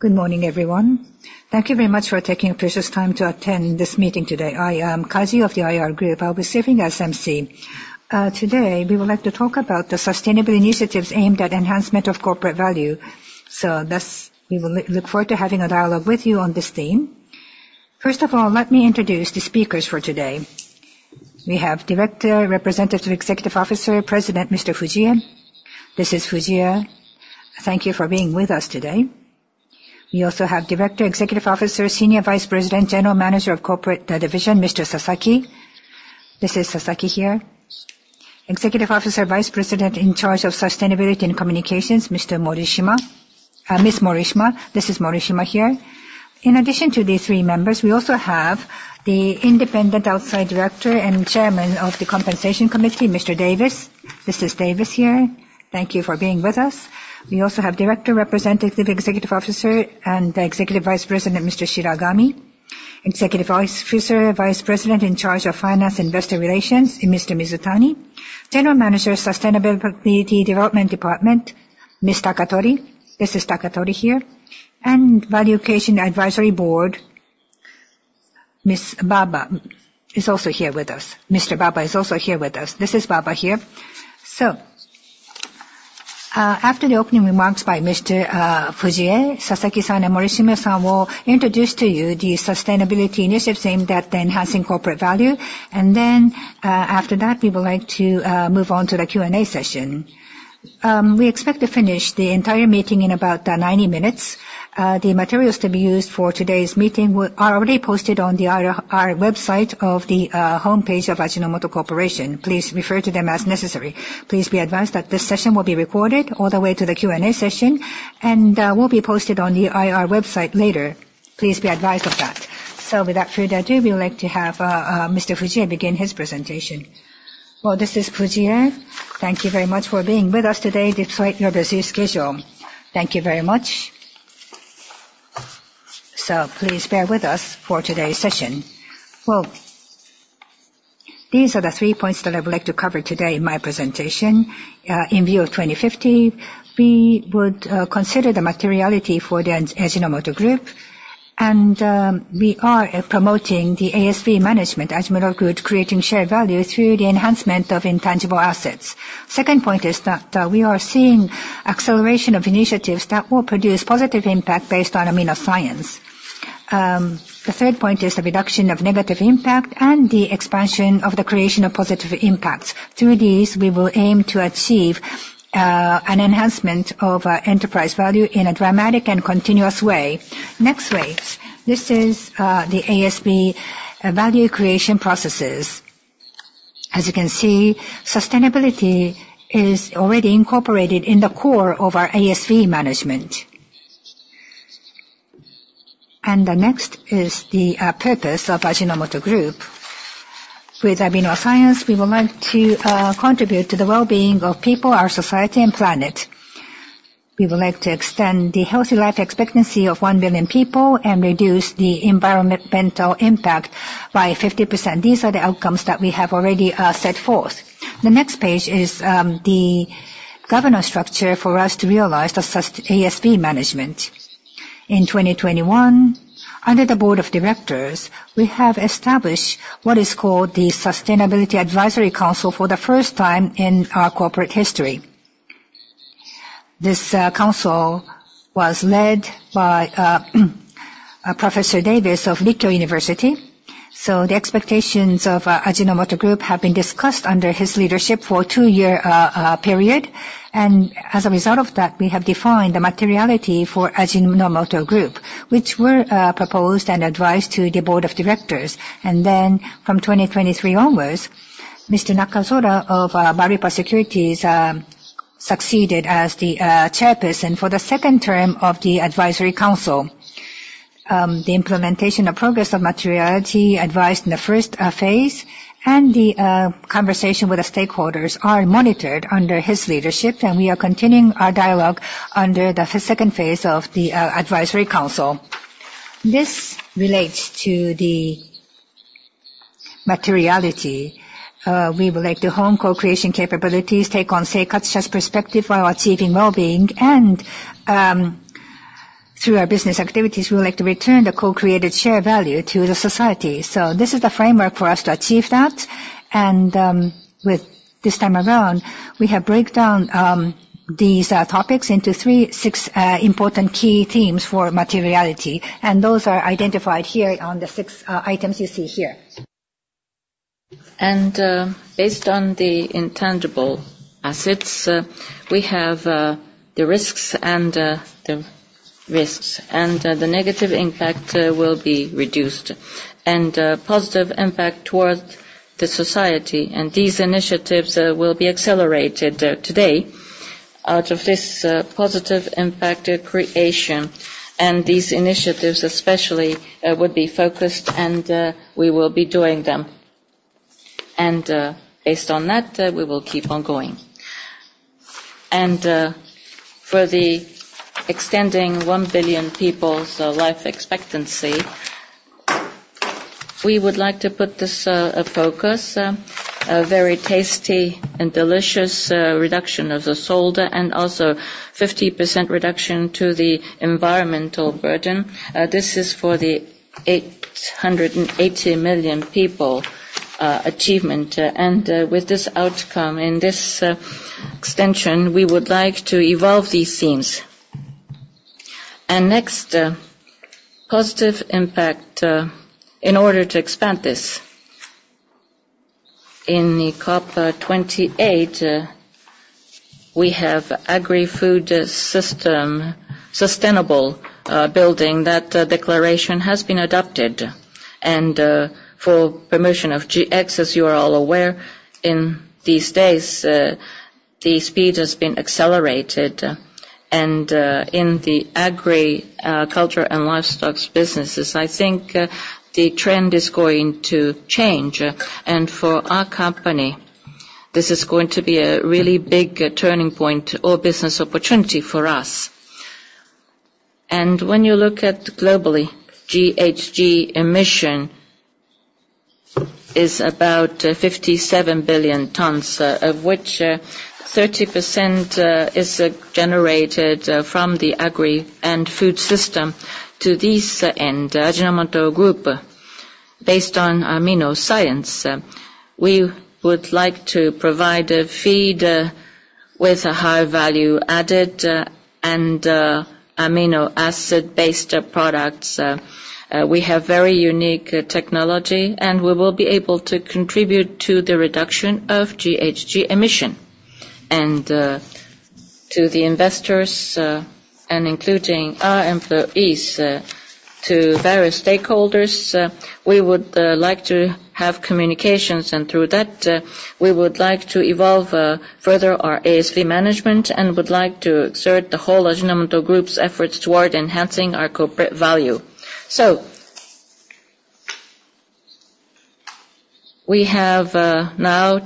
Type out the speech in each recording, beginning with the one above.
Good morning, everyone. Thank you very much for taking precious time to attend this meeting today. I am Kazi of the IR group overseeing SMC. Today, we would like to talk about the sustainable initiatives aimed at enhancement of corporate value. Thus, we will look forward to having a dialogue with you on this theme. First of all, let me introduce the speakers for today. We have Director, Representative Executive Officer, President Mr. Fujie. This is Fujie. Thank you for being with us today. We also have Director, Executive Officer, Senior Vice President, General Manager of Corporate Division, Mr. Sasaki. This is Sasaki here. Executive Officer, Vice President in charge of sustainability and communications, Mr. Morishima. Mr. Morishima. This is Morishima here. In addition to these three members, we also have the Independent Outside Director and Chairman of the Compensation Committee, Mr. Davis. This is Davis here. Thank you for being with us. We also have Director, Representative Executive Officer, and Executive Vice President, Mr. Shiragami. Executive Officer, Vice President in charge of Finance Investor Relations, Mr. Mizutani. General Manager, Sustainability Development Department, Ms. Takatori. This is Takatori here. And Value Creation Advisory Board, Mr. Baba is also here with us. This is Baba here. After the opening remarks by Mr. Fujie, Sasaki-san, and Morishima-san will introduce to you the sustainability initiatives aimed at enhancing corporate value. After that, we would like to move on to the Q&A session. We expect to finish the entire meeting in about 90 minutes. The materials to be used for today's meeting are already posted on the IR website of the homepage of Ajinomoto Co., Inc. Please refer to them as necessary. Please be advised that this session will be recorded all the way to the Q&A session and will be posted on the IR website later. Please be advised of that. Without further ado, we would like to have Mr. Fujie begin his presentation. This is Fujie. Thank you very much for being with us today despite your busy schedule. Thank you very much. Please bear with us for today's session. These are the three points that I would like to cover today in my presentation. In view of 2050, we would consider the materiality for the Ajinomoto Group, and we are promoting the ASV management as middle good, creating shared value through the enhancement of intangible assets. Second point is that we are seeing acceleration of initiatives that will produce positive impact based on AminoScience. The third point is the reduction of negative impact and the expansion of the creation of positive impacts. Through these, we will aim to achieve an enhancement of enterprise value in a dramatic and continuous way. Next slide. This is the ASV value creation processes. As you can see, sustainability is already incorporated in the core of our ASV management. The next is the purpose of Ajinomoto Group. With AminoScience, we would like to contribute to the well-being of people, our society, and planet. We would like to extend the healthy life expectancy of one billion people and reduce the environmental impact by 50%. These are the outcomes that we have already set forth. The next page is the governance structure for us to realize the ASV management. In 2021, under the Board of Directors, we have established what is called the Sustainability Advisory Council for the first time in our corporate history. This council was led by Professor Davis of Rikkyo University. The expectations of Ajinomoto Group have been discussed under his leadership for a 2-year period. As a result of that, we have defined the materiality for Ajinomoto Group, which were proposed and advised to the Board of Directors. From 2023 onwards, Mr. Nakazora of Marusan Securities succeeded as the chairperson for the second term of the advisory council. The implementation of progress of materiality advised in the first phase and the conversation with the stakeholders are monitored under his leadership, and we are continuing our dialogue under the second phase of the advisory council. This relates to the materiality. We would like to hone co-creation capabilities, take on stakeholders' perspective while achieving well-being, and through our business activities, we would like to return the co-created share value to the society. This is the framework for us to achieve that. With this time around, we have break down these topics into three six important key themes for materiality. Those are identified here on the six items you see here. Based on the intangible assets, we have the risks, and the negative impact will be reduced. Positive impact towards the society and these initiatives will be accelerated today out of this positive impact creation. These initiatives especially would be focused and we will be doing them. Based on that, we will keep on going. For the extending 1 billion people's life expectancy We would like to put this a focus, a very tasty and delicious reduction of the salt and also 50% reduction to the environmental burden. This is for the 880 million people achievement. With this outcome, in this extension, we would like to evolve these themes. Next, positive impact, in order to expand this. In the COP28, we have agri-food system sustainable building. That declaration has been adopted. For promotion of GX, as you are all aware, in these days, the speed has been accelerated. In the agriculture and livestocks businesses, I think the trend is going to change. For our company, this is going to be a really big turning point or business opportunity for us. When you look at globally, GHG emission is about 57 billion tons, of which 30% is generated from the agri and food system. To this end, Ajinomoto Group, based on AminoScience, we would like to provide a feed with a high value added and amino acid-based products. We have very unique technology, and we will be able to contribute to the reduction of GHG emission. To the investors, and including our employees, to various stakeholders, we would like to have communications. Through that, we would like to evolve further our ASV management and would like to exert the whole Ajinomoto Group's efforts toward enhancing our corporate value. We have now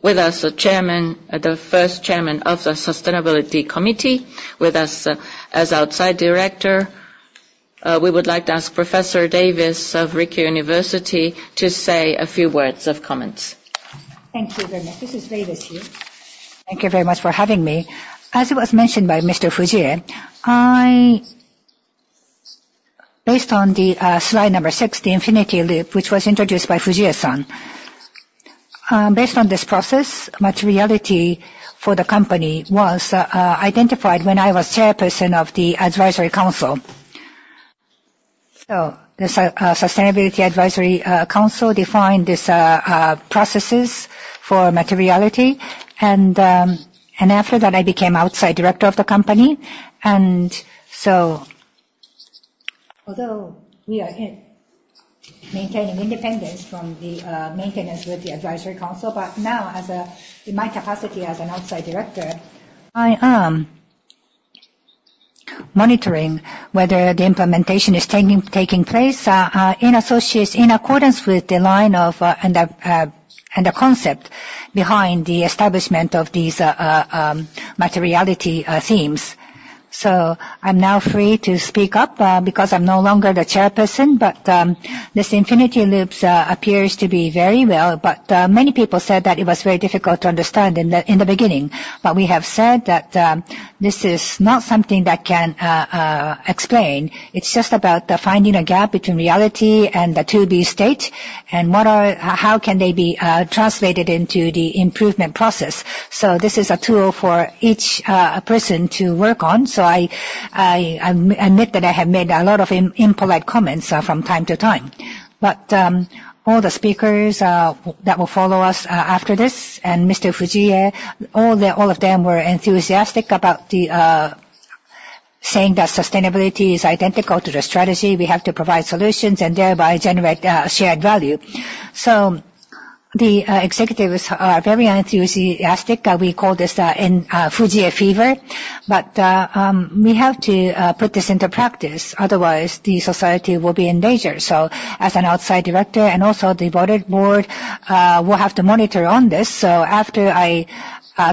with us a chairman, the first chairman of the Sustainability Committee with us as outside director. We would like to ask Professor Davis of Rikkyo University to say a few words of comments. Thank you very much. This is Davis here. Thank you very much for having me. As it was mentioned by Mr. Fujie, based on the slide 6, the infinity loop, which was introduced by Fujie-san. Based on this process, materiality for the company was identified when I was chairperson of the Sustainability Advisory Council. The Sustainability Advisory Council defined these processes for materiality, after that, I became outside director of the company. Although we are maintaining independence from the maintenance with the advisory council, now in my capacity as an outside director, I am monitoring whether the implementation is taking place in accordance with the line of and the concept behind the establishment of these materiality themes. I am now free to speak up because I am no longer the chairperson, this infinity loop appears to be very well. Many people said that it was very difficult to understand in the beginning. We have said that this is not something that can explain. It is just about finding a gap between reality and the to-be state, and how can they be translated into the improvement process. This is a tool for each person to work on. I admit that I have made a lot of impolite comments from time to time. All the speakers that will follow us after this, and Mr. Fujie, all of them were enthusiastic about saying that sustainability is identical to the strategy. We have to provide solutions and thereby generate shared value. The executives are very enthusiastic. We call this Fujie fever. We have to put this into practice, otherwise, the society will be in danger. As an outside director and also the board will have to monitor on this. After I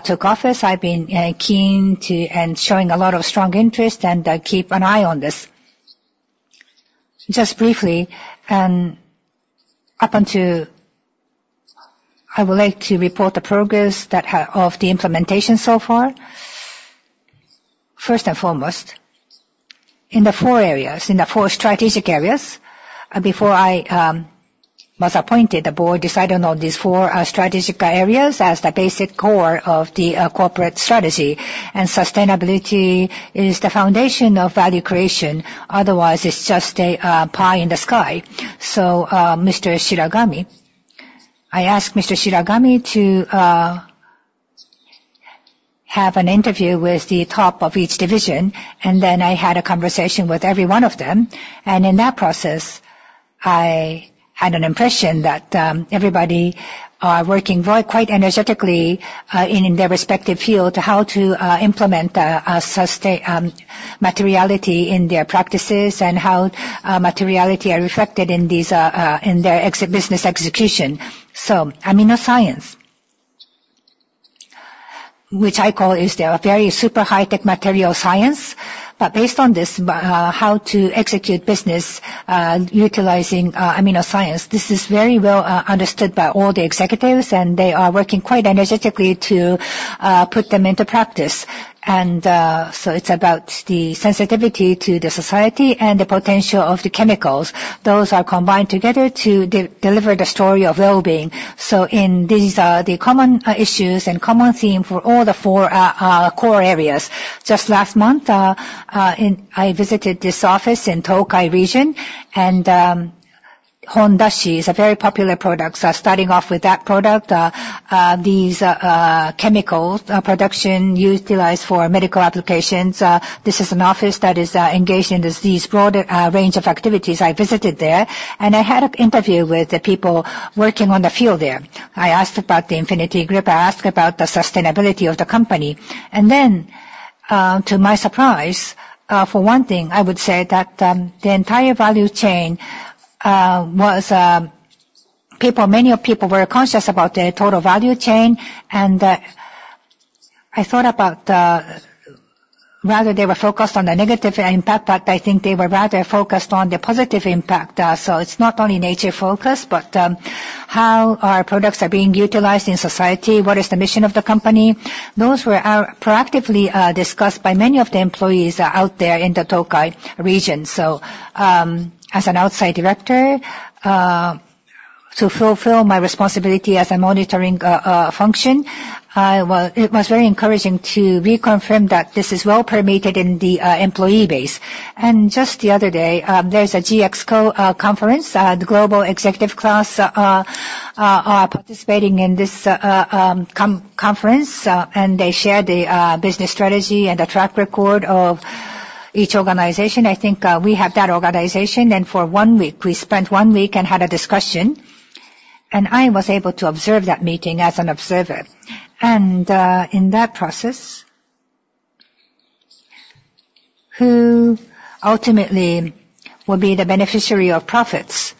took office, I have been keen to and showing a lot of strong interest and keep an eye on this. Just briefly, I would like to report the progress of the implementation so far. First and foremost, in the four areas, in the four strategic areas, before I was appointed, the board decided on these four strategic areas as the basic core of the corporate strategy. Sustainability is the foundation of value creation, otherwise it is just a pie in the sky. Mr. Shiragami, I asked Mr. Shiragami to have an interview with the top of each division, then I had a conversation with every one of them. In that process, I had an impression that everybody is working quite energetically in their respective field, how to implement materiality in their practices and how materiality are reflected in their business execution. AminoScience, which I call, is the very super high-tech material science. Based on this, how to execute business utilizing AminoScience. This is very well understood by all the executives, and they are working quite energetically to put them into practice. It is about the sensitivity to the society and the potential of the chemicals. Those are combined together to deliver the story of well-being. In these are the common issues and common theme for all the four core areas. Just last month, I visited this office in Tokai region, Hondashi is a very popular product. Starting off with that product, these chemical production utilized for medical applications. This is an office that is engaged in these broad range of activities. I visited there, and I had an interview with the people working on the field there. I asked about the infinity loop. I asked about the sustainability of the company. To my surprise, for one thing, I would say that the entire value chain was People, many people were conscious about the total value chain. I thought about rather they were focused on the negative impact, but I think they were rather focused on the positive impact. It's not only nature focused, but how our products are being utilized in society. What is the mission of the company? Those were proactively discussed by many of the employees out there in the Tokai region. As an outside director, to fulfill my responsibility as a monitoring function, it was very encouraging to reconfirm that this is well permeated in the employee base. Just the other day, there's a GX co conference, the global executive class are participating in this conference. They share the business strategy and the track record of each organization. I think we have that organization. For one week, we spent one week and had a discussion. I was able to observe that meeting as an observer. In that process, who ultimately will be the beneficiary of profits?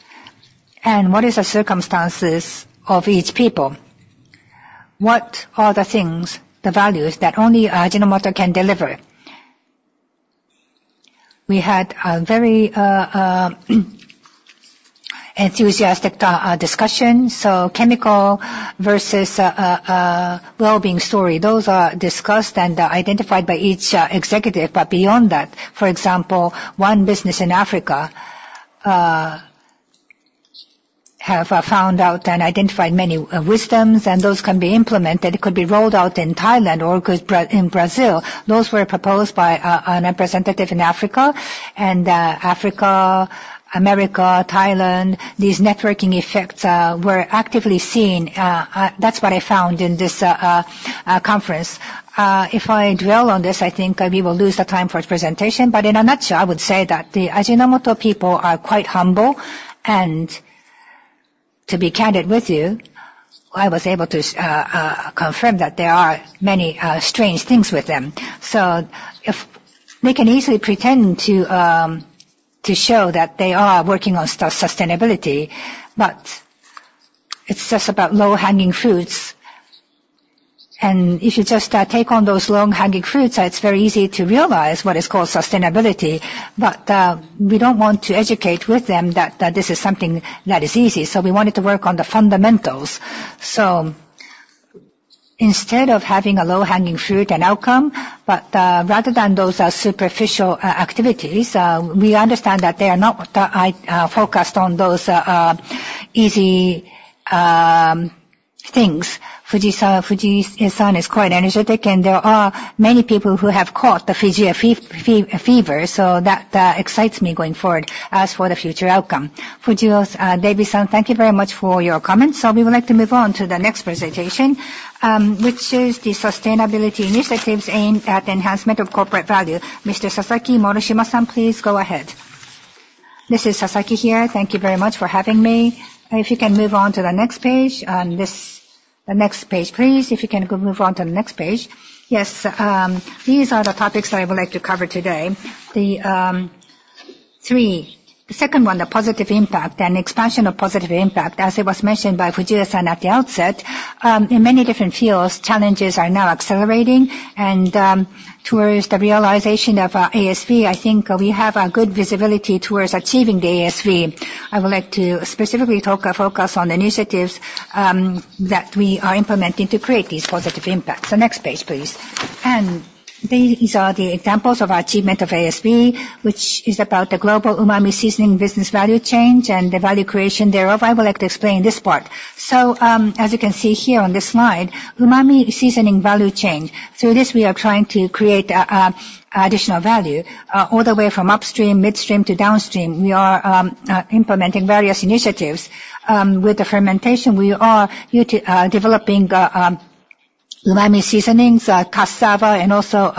What is the circumstances of each people? What are the things, the values that only Ajinomoto can deliver? We had a very enthusiastic discussion. Chemical versus well-being story. Those are discussed and identified by each executive. Beyond that, for example, one business in Africa have found out and identified many wisdoms, and those can be implemented. It could be rolled out in Thailand or in Brazil. Those were proposed by a representative in Africa. Africa, America, Thailand, these networking effects were actively seen. That's what I found in this conference. If I dwell on this, I think we will lose the time for presentation. In a nutshell, I would say that the Ajinomoto people are quite humble. To be candid with you, I was able to confirm that there are many strange things with them. If they can easily pretend to show that they are working on sustainability, but it's just about low-hanging fruits. If you just take on those low-hanging fruits, it's very easy to realize what is called sustainability. We don't want to educate with them that this is something that is easy. We wanted to work on the fundamentals. Instead of having a low-hanging fruit and outcome, but rather than those are superficial activities, we understand that they are not focused on those easy things. Fujii-san is quite energetic, and there are many people who have caught the Fujii fever, so that excites me going forward. As for the future outcome, Fujio Davidson, thank you very much for your comments. We would like to move on to the next presentation, which is the sustainability initiatives aimed at enhancement of corporate value. Mr. Sasaki Morishima-san, please go ahead. This is Sasaki here. Thank you very much for having me. If you can move on to the next page. The next page, please. If you can move on to the next page. Yes. These are the topics I would like to cover today. The three, second one, the positive impact and expansion of positive impact. As it was mentioned by Fujii-san at the outset, in many different fields, challenges are now accelerating. Towards the realization of ASV, I think we have a good visibility towards achieving the ASV. I would like to specifically focus on initiatives that we are implementing to create these positive impacts. Next page, please. These are the examples of achievement of ASV, which is about the global umami seasoning business value chain and the value creation thereof. I would like to explain this part. As you can see here on this slide, umami seasoning value chain. Through this, we are trying to create additional value all the way from upstream, midstream to downstream. We are implementing various initiatives. With the fermentation, we are developing umami seasonings, cassava and also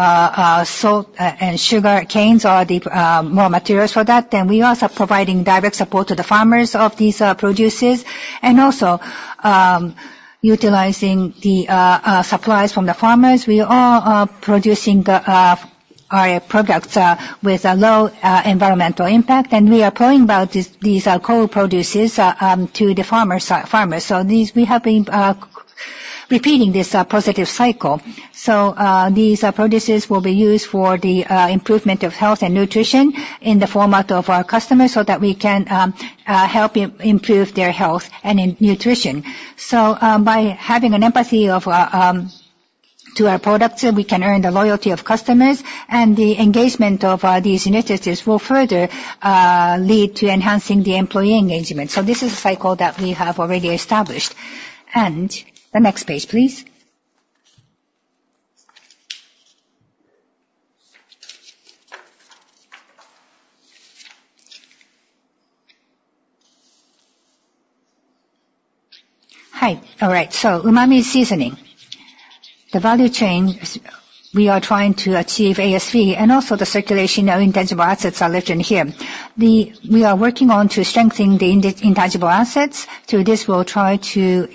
sugar canes are the more materials for that. Then we are also providing direct support to the farmers of these produces and also utilizing the supplies from the farmers. Our products are with a low environmental impact, and we are pulling back these co-products to the farmers. We have been repeating this positive cycle. These produces will be used for the improvement of health and nutrition in the format of our customers so that we can help improve their health and nutrition. By having an empathy to our products, we can earn the loyalty of customers, and the engagement of these initiatives will further lead to enhancing the employee engagement. This is a cycle that we have already established. Next page, please. Hi. All right. Umami seasoning. The value chain we are trying to achieve ASV and also the circulation of intangible assets are listed here. We are working on to strengthen the intangible assets. Through this, we will try to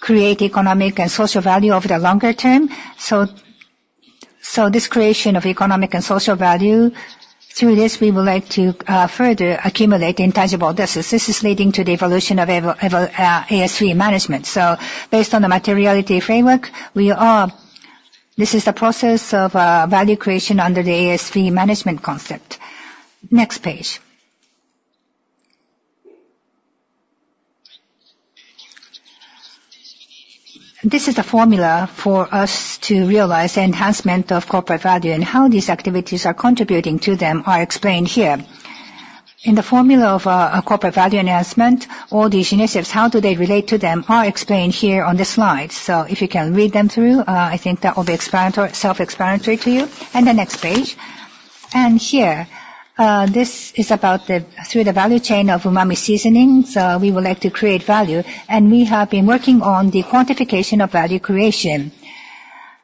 create economic and social value over the longer term. This creation of economic and social value, through this, we would like to further accumulate the intangible assets. This is leading to the evolution of ASV management. Based on the materiality framework, this is the process of value creation under the ASV management concept. Next page. This is the formula for us to realize the enhancement of corporate value and how these activities are contributing to them are explained here. In the formula of corporate value enhancement, all these initiatives, how do they relate to them, are explained here on this slide. If you can read them through, I think that will be self-explanatory to you. Next page. Here, this is about through the value chain of umami seasoning. We would like to create value, and we have been working on the quantification of value creation.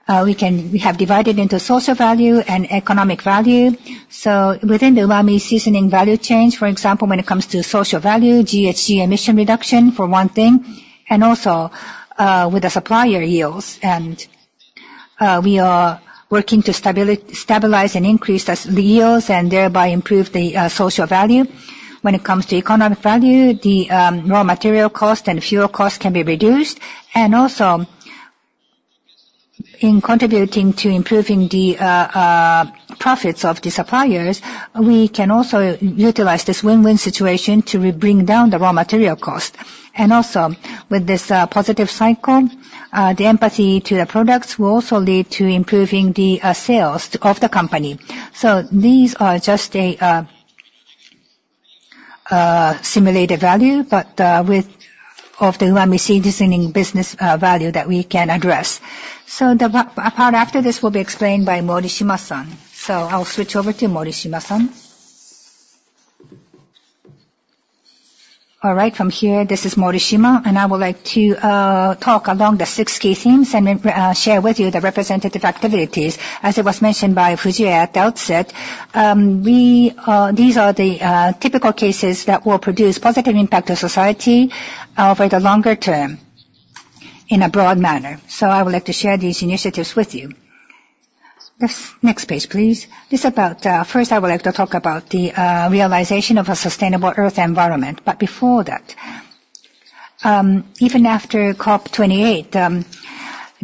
We have divided into social value and economic value. Within the umami seasoning value chain, for example, when it comes to social value, GHG emission reduction for one thing, also with the supplier yields. We are working to stabilize and increase the yields and thereby improve the social value. When it comes to economic value, the raw material cost and fuel cost can be reduced. Also in contributing to improving the profits of the suppliers, we can also utilize this win-win situation to bring down the raw material cost. With this positive cycle, the empathy to the products will also lead to improving the sales of the company. These are just a simulated value, but with often when we see this in business value that we can address. The part after this will be explained by Morishima-san. I will switch over to Morishima-san. All right. From here, this is Morishima, and I would like to talk along the six key themes and share with you the representative activities. As it was mentioned by Fujie at the outset, these are the typical cases that will produce positive impact to society over the longer term in a broad manner. I would like to share these initiatives with you. Next page, please. First, I would like to talk about the realization of a sustainable earth environment. Before that, even after COP28,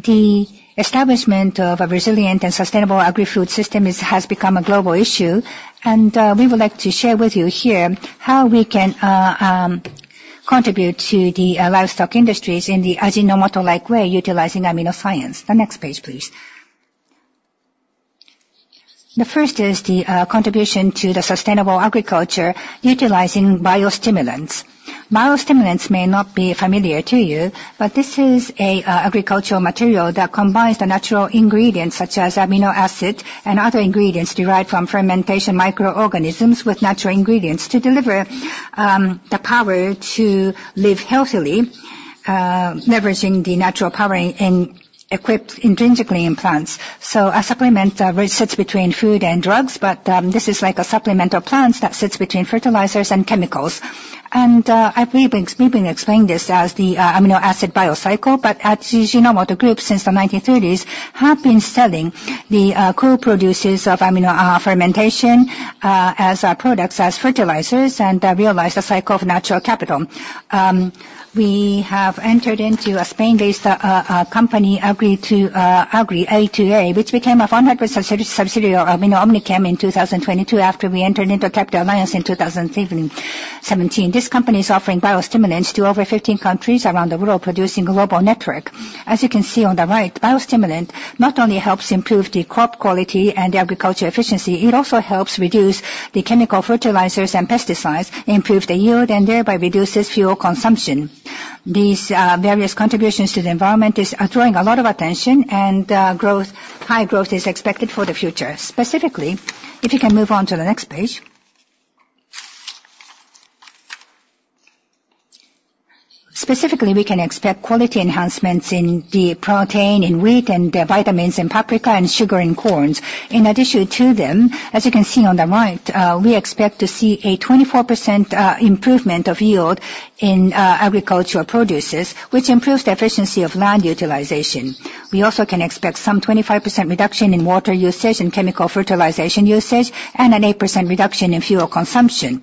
the establishment of a resilient and sustainable agri-food system has become a global issue, and we would like to share with you here how we can contribute to the livestock industries in the Ajinomoto-like way utilizing AminoScience. The next page, please. The first is the contribution to the sustainable agriculture utilizing biostimulants. Biostimulants may not be familiar to you, this is an agricultural material that combines the natural ingredients such as amino acid and other ingredients derived from fermentation microorganisms with natural ingredients to deliver the power to live healthily, leveraging the natural power equipped intrinsically in plants. A supplement which sits between food and drugs, this is like a supplement of plants that sits between fertilizers and chemicals. We have been explaining this as the amino acid bio-cycle, at Ajinomoto Group, since the 1930s, have been selling the coal produces of amino fermentation as products, as fertilizers and realize the cycle of natural capital. We have entered into a Spain-based company, Agri A2A, which became a 100% subsidiary of Ajinomoto OmniChem in 2022 after we entered into a capital alliance in 2017. This company is offering biostimulants to over 15 countries around the world, producing a global network. As you can see on the right, biostimulant not only helps improve the crop quality and the agriculture efficiency, it also helps reduce the chemical fertilizers and pesticides, improves the yield, and thereby reduces fuel consumption. These various contributions to the environment are drawing a lot of attention and high growth is expected for the future. Specifically, if you can move on to the next page. Specifically, we can expect quality enhancements in the protein, in wheat, and the vitamins in paprika and sugar in corns. In addition to them, as you can see on the right, we expect to see a 24% improvement of yield in agricultural produces, which improves the efficiency of land utilization. We also can expect some 25% reduction in water usage and chemical fertilization usage, and an 8% reduction in fuel consumption,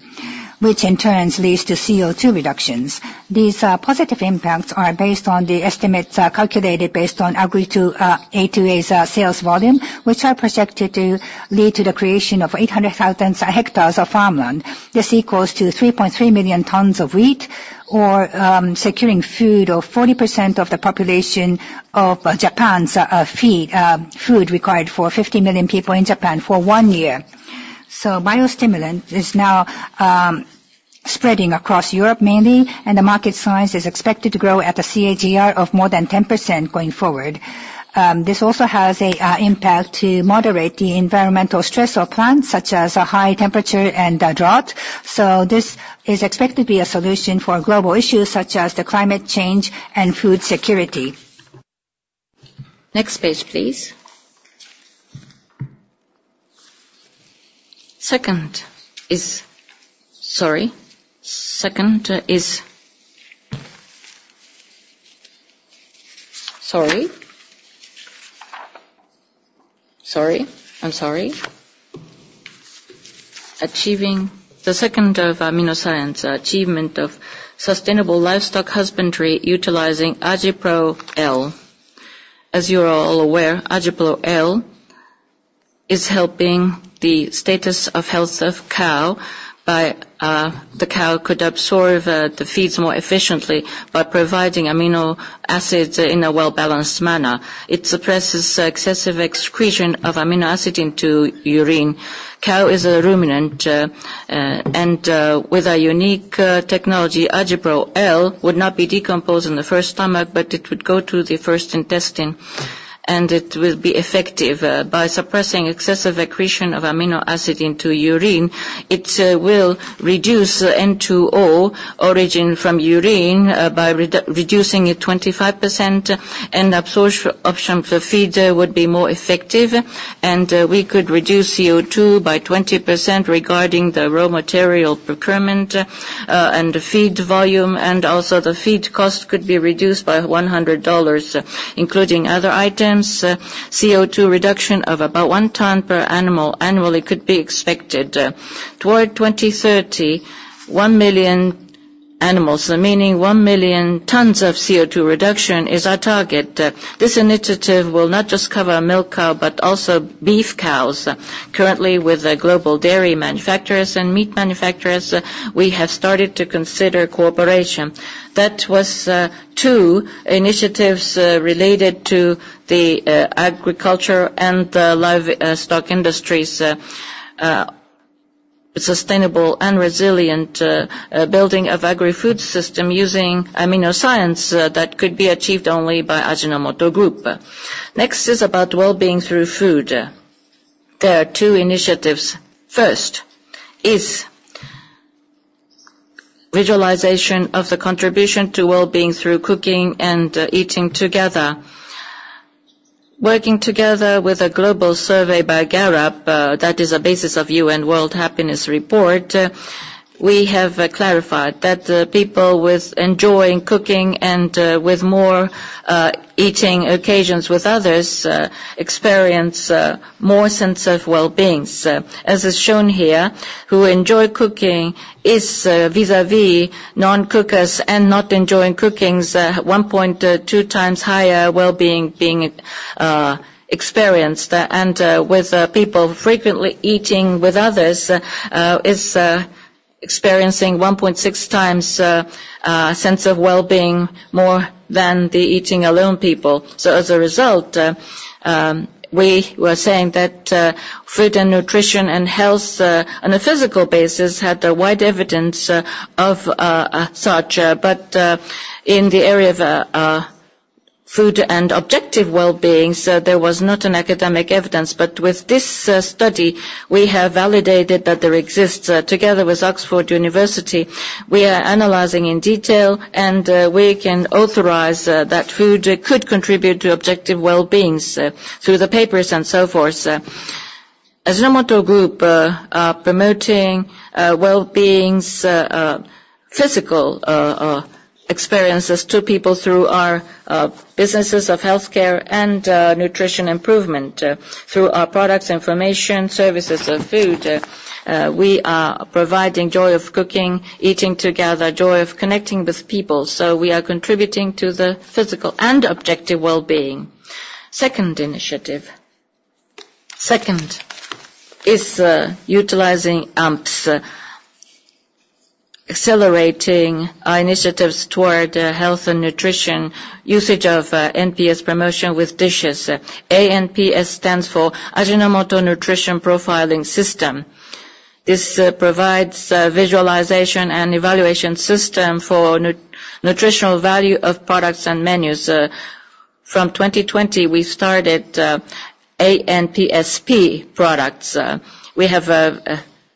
which in turn leads to CO2 reductions. These positive impacts are based on the estimates calculated based on A2A's sales volume, which are projected to lead to the creation of 800,000 hectares of farmland. This equals to 3.3 million tons of wheat or securing food of 40% of the population of Japan's food required for 50 million people in Japan for one year. Biostimulant is now spreading across Europe mainly, and the market size is expected to grow at a CAGR of more than 10% going forward. This also has an impact to moderate the environmental stress of plants, such as high temperature and drought. This is expected to be a solution for global issues such as the climate change and food security. Next page, please. The second of AminoScience achievement of sustainable livestock husbandry utilizing AjiPro-L. As you are all aware, AjiPro-L is helping the status of health of cow by, the cow could absorb the feeds more efficiently by providing amino acids in a well-balanced manner. It suppresses excessive excretion of amino acid into urine. Cow is a ruminant, and with a unique technology, AjiPro-L would not be decomposed in the first stomach, but it would go to the first intestine, and it will be effective. By suppressing excessive excretion of amino acid into urine, it will reduce N2O origin from urine by reducing it 25%, and absorption for feed would be more effective. And we could reduce CO2 by 20% regarding the raw material procurement, and the feed volume, and also the feed cost could be reduced by JPY 100, including other items. CO2 reduction of about one ton per animal annually could be expected. Toward 2030, one million animals, meaning one million tons of CO2 reduction is our target. This initiative will not just cover milk cow, but also beef cows. Currently with global dairy manufacturers and meat manufacturers, we have started to consider cooperation. That was two initiatives related to the agriculture and the livestock industries. Sustainable and resilient building of agri food system using AminoScience that could be achieved only by Ajinomoto Group. Next is about wellbeing through food. There are two initiatives. First is visualization of the contribution to wellbeing through cooking and eating together. Working together with a global survey by Gallup, that is a basis of UN World Happiness Report, we have clarified that people with enjoying cooking and with more eating occasions with others experience more sense of wellbeings. As is shown here, who enjoy cooking is vis-à-vis non-cookers and not enjoying cookings, 1.2 times higher wellbeing being experienced. And with people frequently eating with others is experiencing 1.6 times sense of wellbeing more than the eating alone people. As a result, we were saying that food and nutrition and health on a physical basis had a wide evidence of such. But in the area of food and objective wellbeing, there was not an academic evidence. But with this study, we have validated that there exists. Together with University of Oxford, we are analyzing in detail, and we can authorize that food could contribute to objective wellbeings through the papers and so forth. Ajinomoto Group are promoting wellbeings physical experiences to people through our businesses of healthcare and nutrition improvement. Through our products, information, services of food, we are providing joy of cooking, eating together, joy of connecting with people. We are contributing to the physical and objective wellbeing. Second initiative is utilizing ANPS, accelerating our initiatives toward health and nutrition, usage of NPS promotion with dishes. ANPS stands for Ajinomoto Nutrition Profiling System. This provides visualization and evaluation system for nutritional value of products and menus. From 2020, we started ANPS-P products. We have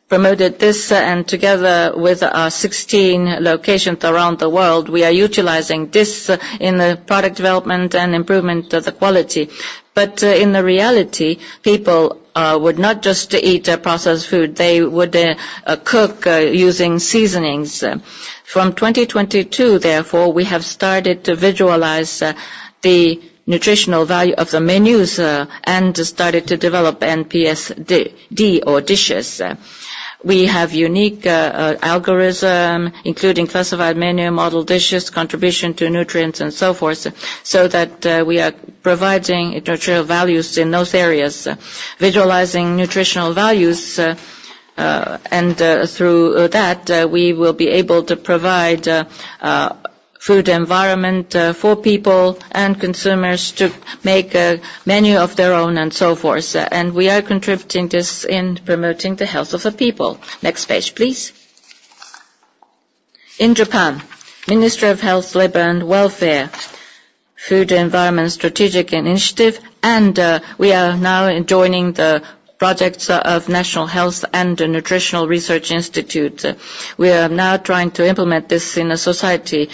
promoted this, and together with our 16 locations around the world, we are utilizing this in the product development and improvement of the quality. In the reality, people would not just eat processed food. They would cook using seasonings. From 2022, therefore, we have started to visualize the nutritional value of the menus and started to develop ANPS-D or dishes. We have unique algorithm, including classified menu, model dishes, contribution to nutrients and so forth, so that we are providing nutritional values in those areas, visualizing nutritional values, and through that, we will be able to provide food environment for people and consumers to make a menu of their own and so forth. We are contributing this in promoting the health of the people. Next page, please. In Japan, Ministry of Health, Labour and Welfare, Food Environment Strategic Initiative, we are now joining the projects of National Institute of Health and Nutrition. We are now trying to implement this in a society.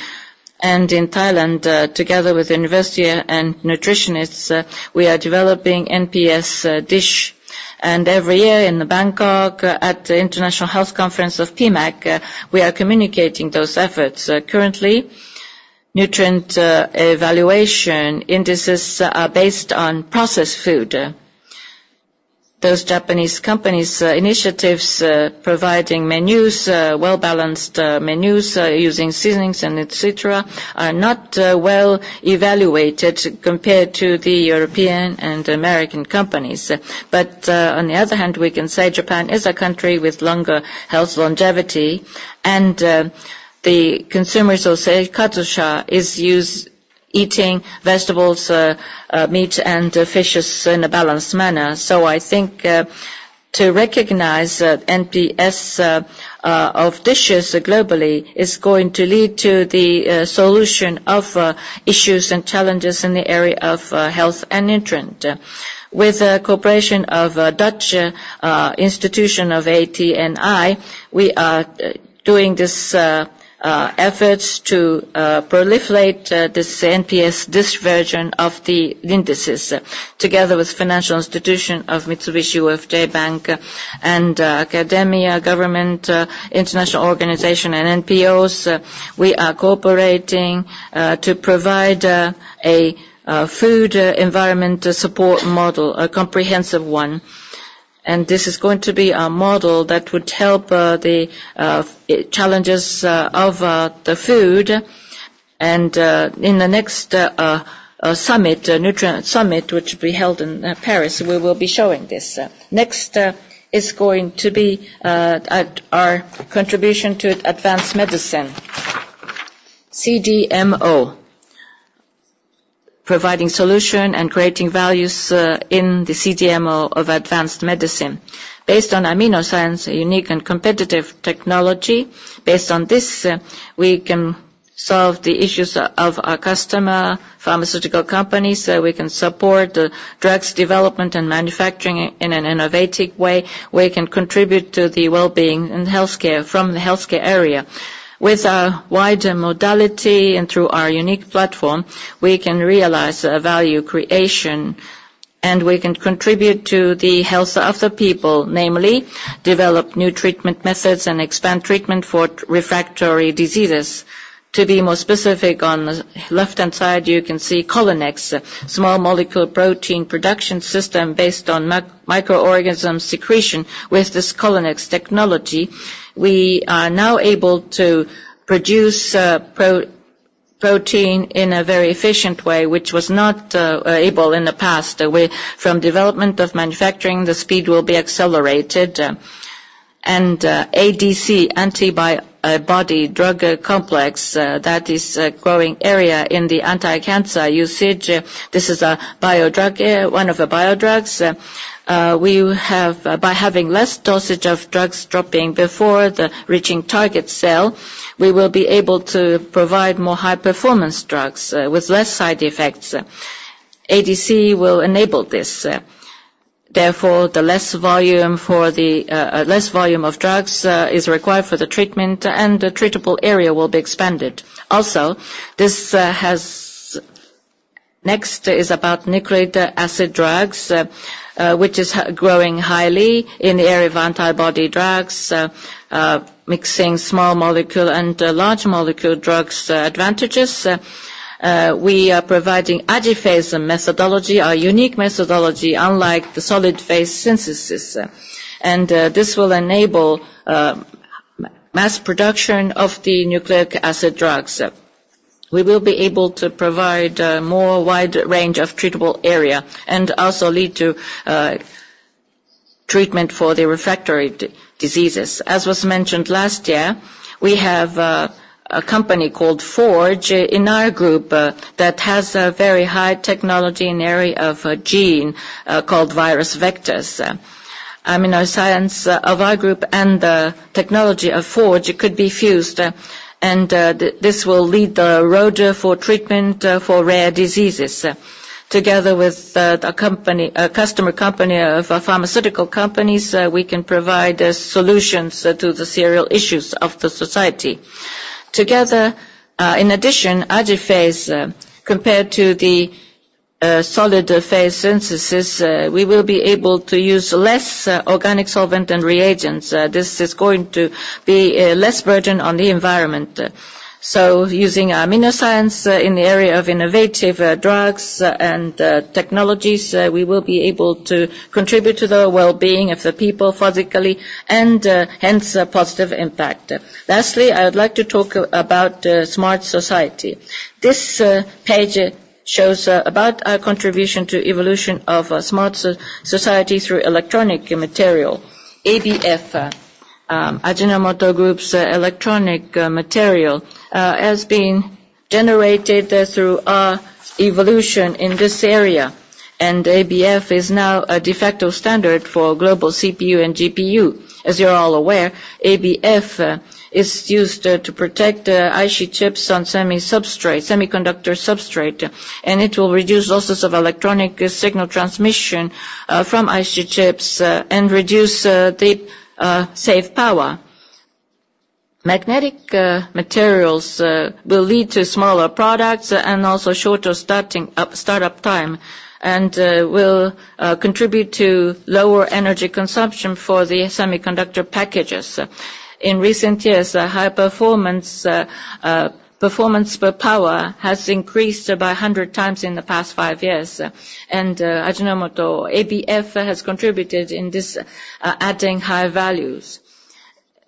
In Thailand, together with university and nutritionists, we are developing ANPS-Dish. Every year in Bangkok at the International Health Conference of PMAC, we are communicating those efforts. Currently, nutrient evaluation indices are based on processed food. Those Japanese companies initiatives providing menus, well-balanced menus using seasonings and et cetera, are not well evaluated compared to the European and American companies. On the other hand, we can say Japan is a country with longer health longevity, and the consumers will say, "Seikatsusha is used eating vegetables, meat, and fishes in a balanced manner." I think to recognize ANPS of dishes globally is going to lead to the solution of issues and challenges in the area of health and nutrient. With the cooperation of Dutch Institution of ATNI, we are doing these efforts to proliferate this ANPS-Dish version of the indices. Together with financial institution of Mitsubishi UFJ Bank and academia, government, international organization, and NPOs, we are cooperating to provide a food environment support model, a comprehensive one. This is going to be a model that would help the challenges of the food. In the next summit, Nutrition for Growth Summit, which will be held in Paris, we will be showing this. Next is going to be our contribution to advanced medicine CDMO. Providing solution and creating values in the CDMO of advanced medicine. Based on AminoScience, a unique and competitive technology. Based on this, we can solve the issues of our customer, pharmaceutical companies. We can support drugs development and manufacturing in an innovative way. We can contribute to the well-being and healthcare from the healthcare area. With our wider modality and through our unique platform, we can realize value creation and we can contribute to the health of the people, namely, develop new treatment methods and expand treatment for refractory diseases. To be more specific, on the left-hand side, you can see CORYNEX, small molecule protein production system based on microorganism secretion. With this CORYNEX technology, we are now able to produce protein in a very efficient way, which was not able in the past. ADC, antibody-drug conjugate, that is a growing area in the anti-cancer usage. This is one of the biodrugs. By having less dosage of drugs dropping before reaching the target cell, we will be able to provide more high-performance drugs with less side effects. ADC will enable this. Therefore, the less volume of drugs is required for the treatment, and the treatable area will be expanded. Next is about nucleic acid drugs, which is growing highly in the area of antibody drugs, mixing small molecule and large molecule drugs advantages. We are providing AJIPHASE methodology, our unique methodology, unlike the solid phase synthesis. This will enable mass production of the nucleic acid drugs. We will be able to provide a more wide range of treatable area and also lead to treatment for the refractory diseases. As was mentioned last year, we have a company called Forge Biologics in our group that has a very high technology in the area of gene called viral vectors. AminoScience of our group and the technology of Forge Biologics could be fused, and this will lead the road for treatment for rare diseases. Together with a customer company of pharmaceutical companies, we can provide solutions to the serial issues of society. Together, in addition, AJIPHASE, compared to the solid phase synthesis, we will be able to use less organic solvent and reagents. This is going to be less burden on the environment. Using AminoScience in the area of innovative drugs and technologies, we will be able to contribute to the well-being of the people physically, and hence, a positive impact. Lastly, I would like to talk about smart society. This page shows our contribution to the evolution of a smart society through electronic material. ABF, Ajinomoto Group's electronic material, has been generated through our evolution in this area, and ABF is now a de facto standard for global CPU and GPU. As you are all aware, ABF is used to protect IC chips on semiconductor substrate. It will reduce losses of electronic signal transmission from IC chips and reduce the saved power. Magnetic materials will lead to smaller products and also shorter startup time, and will contribute to lower energy consumption for the semiconductor packages. In recent years, high performance per power has increased by 100 times in the past five years, and Ajinomoto ABF has contributed in this, adding high values.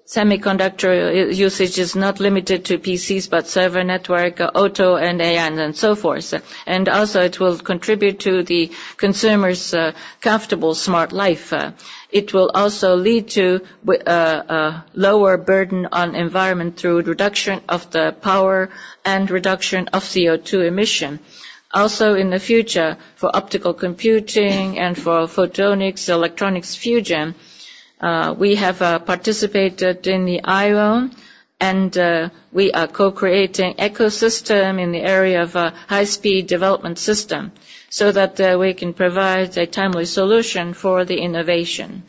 Semiconductor usage is not limited to PCs, but server network, auto, and AI, and so forth. Also, it will contribute to the consumer's comfortable smart life. It will also lead to a lower burden on environment through reduction of the power and reduction of CO2 emission. In the future, for optical computing and for photonics-electronics convergence, we have participated in the IOWN, and we are co-creating ecosystem in the area of high-speed development system so that we can provide a timely solution for the innovation.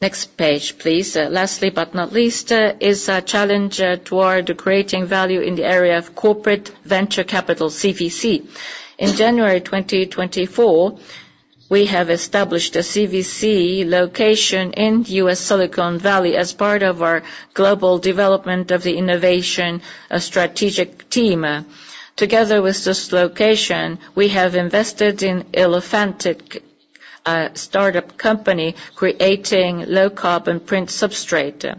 Next page, please. Lastly but not least, is a challenge toward creating value in the area of corporate venture capital, CVC. In January 2024, we have established a CVC location in U.S. Silicon Valley as part of our global development of the innovation strategic team. Together with this location, we have invested in Elephantech, a startup company creating low carbon print substrate.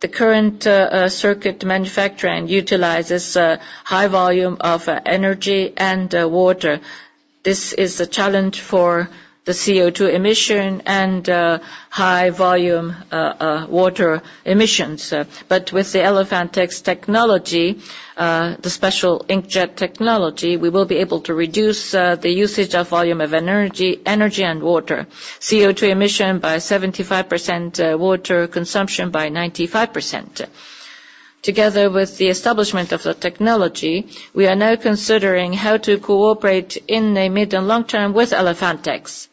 The current circuit manufacturing utilizes a high volume of energy and water. This is a challenge for the CO2 emission and high volume water emissions. With the Elephantech's technology, the special inkjet technology, we will be able to reduce the usage of volume of energy and water. CO2 emission by 75%, water consumption by 95%. Together with the establishment of the technology, we are now considering how to cooperate in the mid and long term with Elephantech.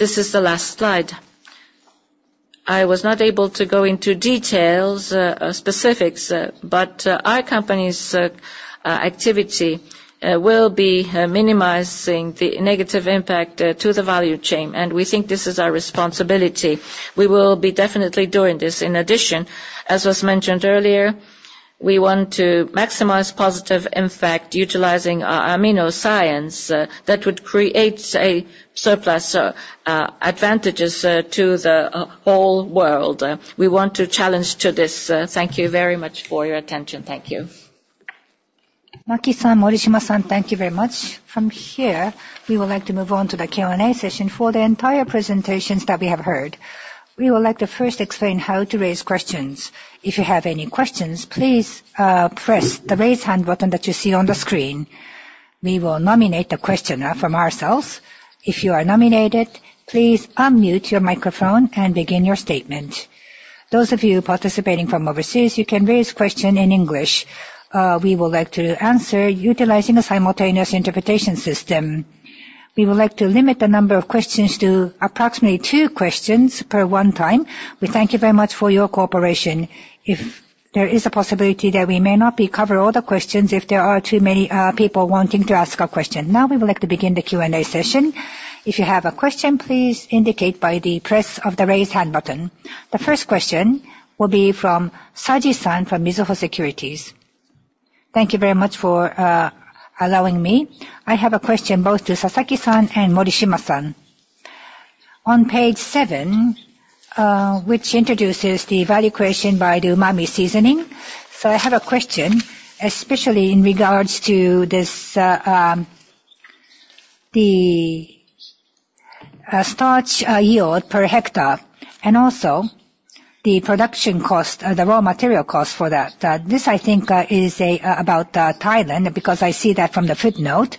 This is the last slide. I was not able to go into details, specifics, but our company's activity will be minimizing the negative impact to the value chain, and we think this is our responsibility. We will be definitely doing this. In addition, as was mentioned earlier, we want to maximize positive impact utilizing our AminoScience that would create a surplus advantages to the whole world. We want to challenge to this. Thank you very much for your attention. Thank you. Maki-san, Morishima-san, thank you very much. From here, we would like to move on to the Q&A session for the entire presentations that we have heard. We would like to first explain how to raise questions. If you have any questions, please press the Raise Hand button that you see on the screen. We will nominate the questioner from ourselves. If you are nominated, please unmute your microphone and begin your statement. Those of you participating from overseas, you can raise question in English. We would like to answer utilizing a simultaneous interpretation system. We would like to limit the number of questions to approximately two questions per one time. We thank you very much for your cooperation. If there is a possibility that we may not cover all the questions, if there are too many people wanting to ask a question. We would like to begin the Q&A session. If you have a question, please indicate by the press of the Raise Hand button. The first question will be from Saji-san from Mizuho Securities. Thank you very much for allowing me. I have a question both to Sasaki-san and Morishima-san. On page seven, which introduces the value creation by the umami seasoning. I have a question, especially in regards to the starch yield per hectare, and also The production cost, the raw material cost for that. This I think is about Thailand, because I see that from the footnote.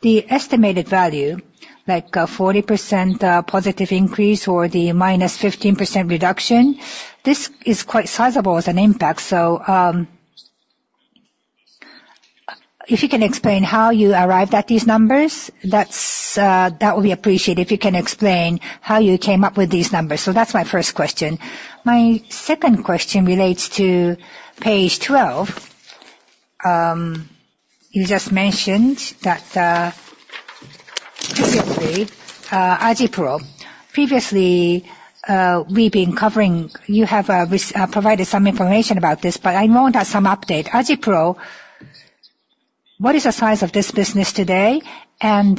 The estimated value, like 40% positive increase or the minus 15% reduction, this is quite sizable as an impact. If you can explain how you arrived at these numbers, that will be appreciated. If you can explain how you came up with these numbers. That's my first question. My second question relates to page 12. You just mentioned that previously, AjiPro. Previously, we've been covering You have provided some information about this, but I know that some update. AjiPro, what is the size of this business today, and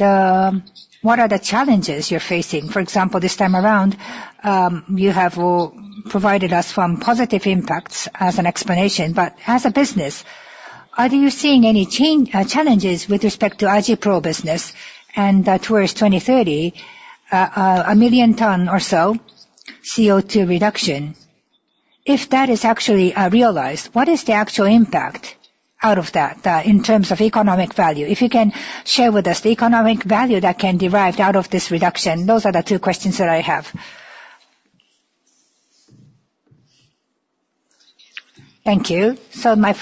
what are the challenges you're facing? For example, this time around, you have provided us from positive impacts as an explanation. As a business, are you seeing any challenges with respect to AjiPro business and towards 2030, a million tons or so, CO2 reduction? If that is actually realized, what is the actual impact out of that in terms of economic value? If you can share with us the economic value that can derived out of this reduction. Those are the two questions that I have. Thank you. The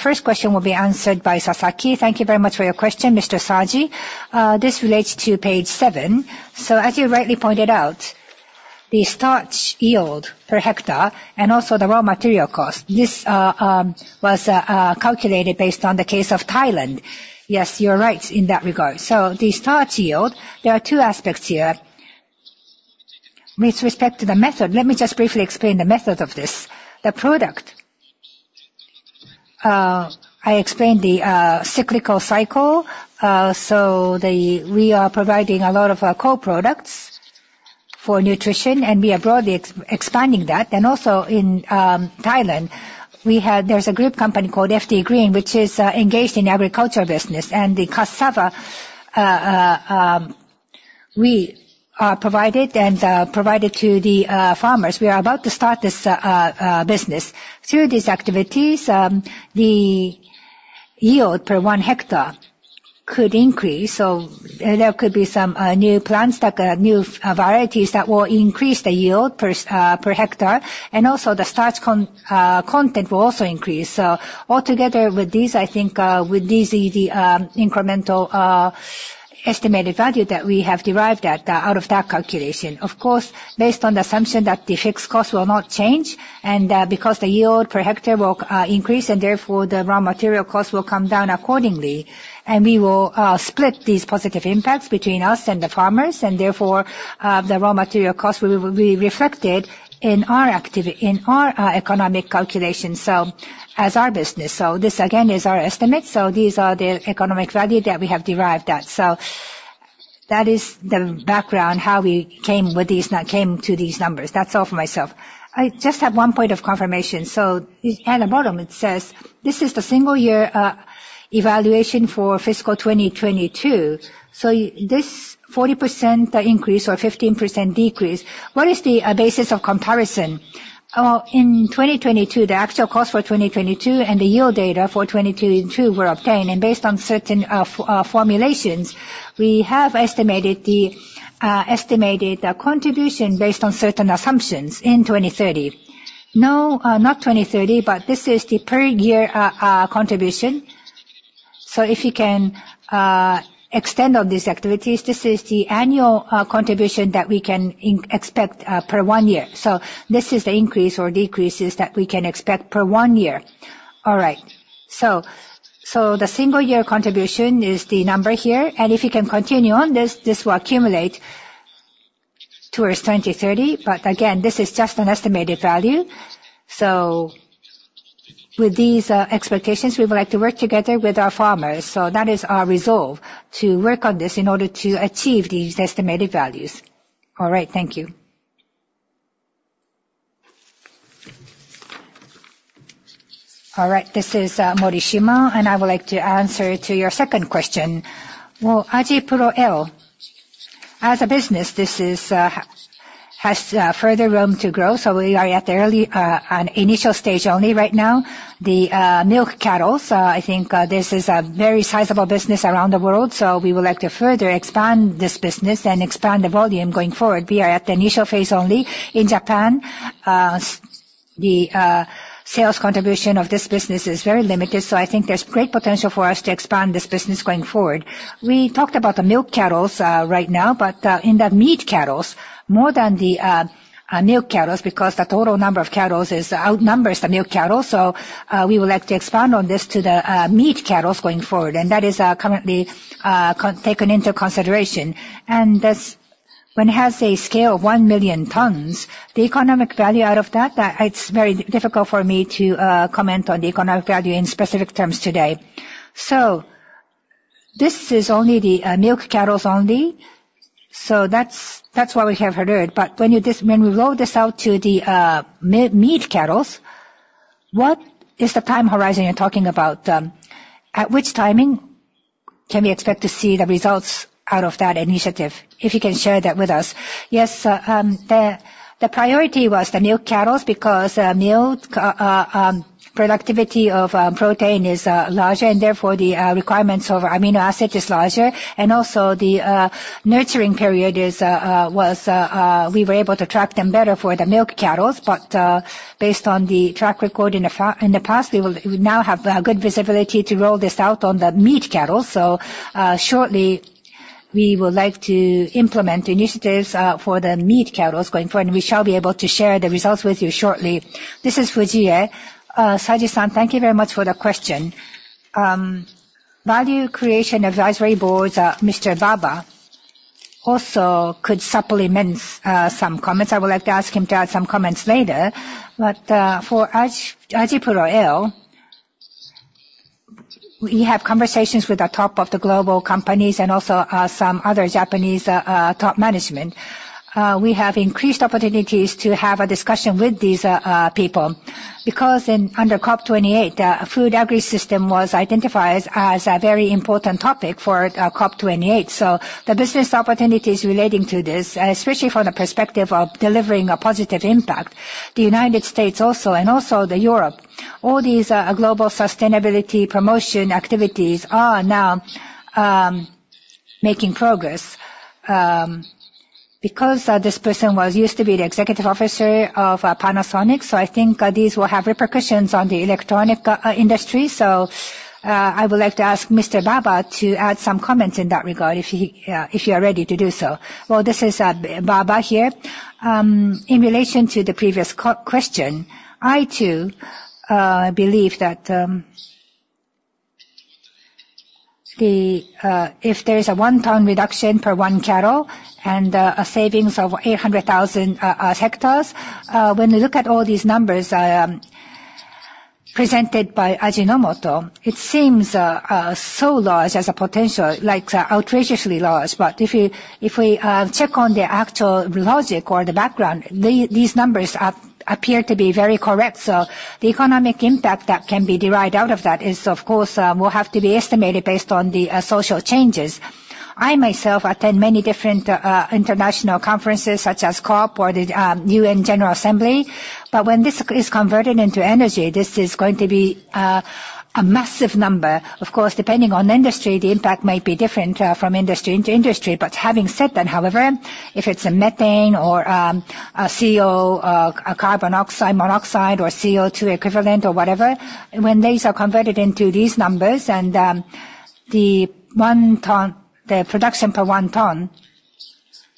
first question will be answered by Sasaki. Thank you very much for your question, Mr. Saji. This relates to page seven. As you rightly pointed out, the starch yield per hectare and also the raw material cost. This was calculated based on the case of Thailand. Yes, you're right in that regard. The starch yield, there are two aspects here. With respect to the method, let me just briefly explain the method of this. The product, I explained the virtuous cycle, we are providing a lot of co-products for nutrition, and we are broadly expanding that. Also in Thailand, there's a group company called FD Green, which is engaged in agriculture business. The cassava, we provided and provided to the farmers. We are about to start this business. Through these activities, the yield per 1 hectare could increase, there could be some new plants, like new varieties, that will increase the yield per hectare. Also the starch content will also increase. Altogether with these, I think with these, the incremental estimated value that we have derived at out of that calculation. Of course, based on the assumption that the fixed cost will not change, because the yield per hectare will increase and therefore the raw material cost will come down accordingly. We will split these positive impacts between us and the farmers, therefore, the raw material cost will be reflected in our economic calculation as our business. This again is our estimate. These are the economic value that we have derived at. That is the background, how we came to these numbers. That's all for myself. I just have one point of confirmation. At the bottom it says, "This is the single year evaluation for fiscal 2022." This 40% increase or 15% decrease, what is the basis of comparison? In 2022, the actual cost for 2022 and the yield data for 2022 were obtained. Based on certain formulations, we have estimated the contribution based on certain assumptions in 2030. No, not 2030, but this is the per year contribution. If you can extend on these activities, this is the annual contribution that we can expect per one year. This is the increase or decreases that we can expect per one year. All right. The single year contribution is the number here. If you can continue on, this will accumulate towards 2030. Again, this is just an estimated value. With these expectations, we would like to work together with our farmers. That is our resolve, to work on this in order to achieve these estimated values. All right. Thank you. All right. This is Morishima. I would like to answer to your second question. AjiPro-L, as a business, this has further room to grow. We are at the early, initial stage only right now. The milk cattle, I think this is a very sizable business around the world. We would like to further expand this business and expand the volume going forward. We are at the initial phase only. In Japan, the sales contribution of this business is very limited. I think there's great potential for us to expand this business going forward. We talked about the milk cattle right now. In the meat cattle, more than the milk cattle, because the total number of cattle outnumbers the milk cattle. We would like to expand on this to the meat cattle going forward. That is currently taken into consideration. When it has a scale of 1 million tons, the economic value out of that, it's very difficult for me to comment on the economic value in specific terms today. This is only the milk cattle only. That's what we have heard. When we roll this out to the meat cattle- What is the time horizon you're talking about? At which timing can we expect to see the results out of that initiative? If you can share that with us. Yes, the priority was the milk cattle because milk productivity of protein is larger, therefore, the requirements of amino acid is larger. Also the nurturing period, we were able to track them better for the milk cattle. Based on the track record in the past, we now have good visibility to roll this out on the meat cattle. Shortly, we would like to implement initiatives for the meat cattle going forward, we shall be able to share the results with you shortly. This is Fujie. Saji-san, thank you very much for the question. Value Creation Advisory Board's Mr. Baba also could supplement some comments. I would like to ask him to add some comments later. For AjiPro-L, we have conversations with the top of the global companies and also some other Japanese top management. We have increased opportunities to have a discussion with these people because under COP28, food agri system was identified as a very important topic for COP28. The business opportunities relating to this, especially from the perspective of delivering a positive impact, the U.S. also and also Europe, all these global sustainability promotion activities are now making progress. Because this person used to be the executive officer of Panasonic, I think this will have repercussions on the electronic industry. I would like to ask Mr. Baba to add some comments in that regard if you are ready to do so. This is Baba here. In relation to the previous question, I too believe that if there is a one ton reduction per one cattle and a savings of 800,000 hectares, when we look at all these numbers presented by Ajinomoto, it seems so large as a potential, like outrageously large. If we check on the actual logic or the background, these numbers appear to be very correct. The economic impact that can be derived out of that, of course, will have to be estimated based on the social changes. I myself attend many different international conferences such as COP or the UN General Assembly. When this is converted into energy, this is going to be a massive number. Depending on industry, the impact might be different from industry to industry. Having said that, however, if it is a methane or a carbon monoxide or CO2 equivalent or whatever, when these are converted into these numbers and the production per one ton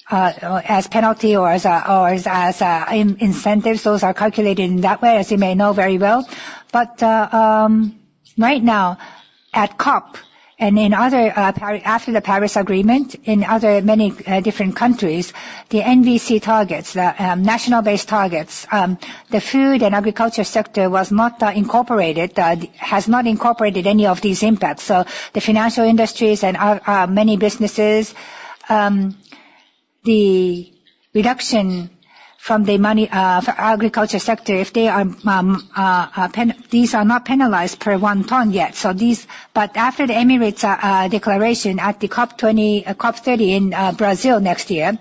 as penalty or as incentives, those are calculated in that way, as you may know very well. Right now at COP and after the Paris Agreement, in other many different countries, the NDC targets, the Nationally Determined Contributions, the food and agriculture sector has not incorporated any of these impacts. The financial industries and many businesses, the reduction from the agriculture sector, these are not penalized per one ton yet. After the Emirates Declaration at the COP 30 in Brazil next year,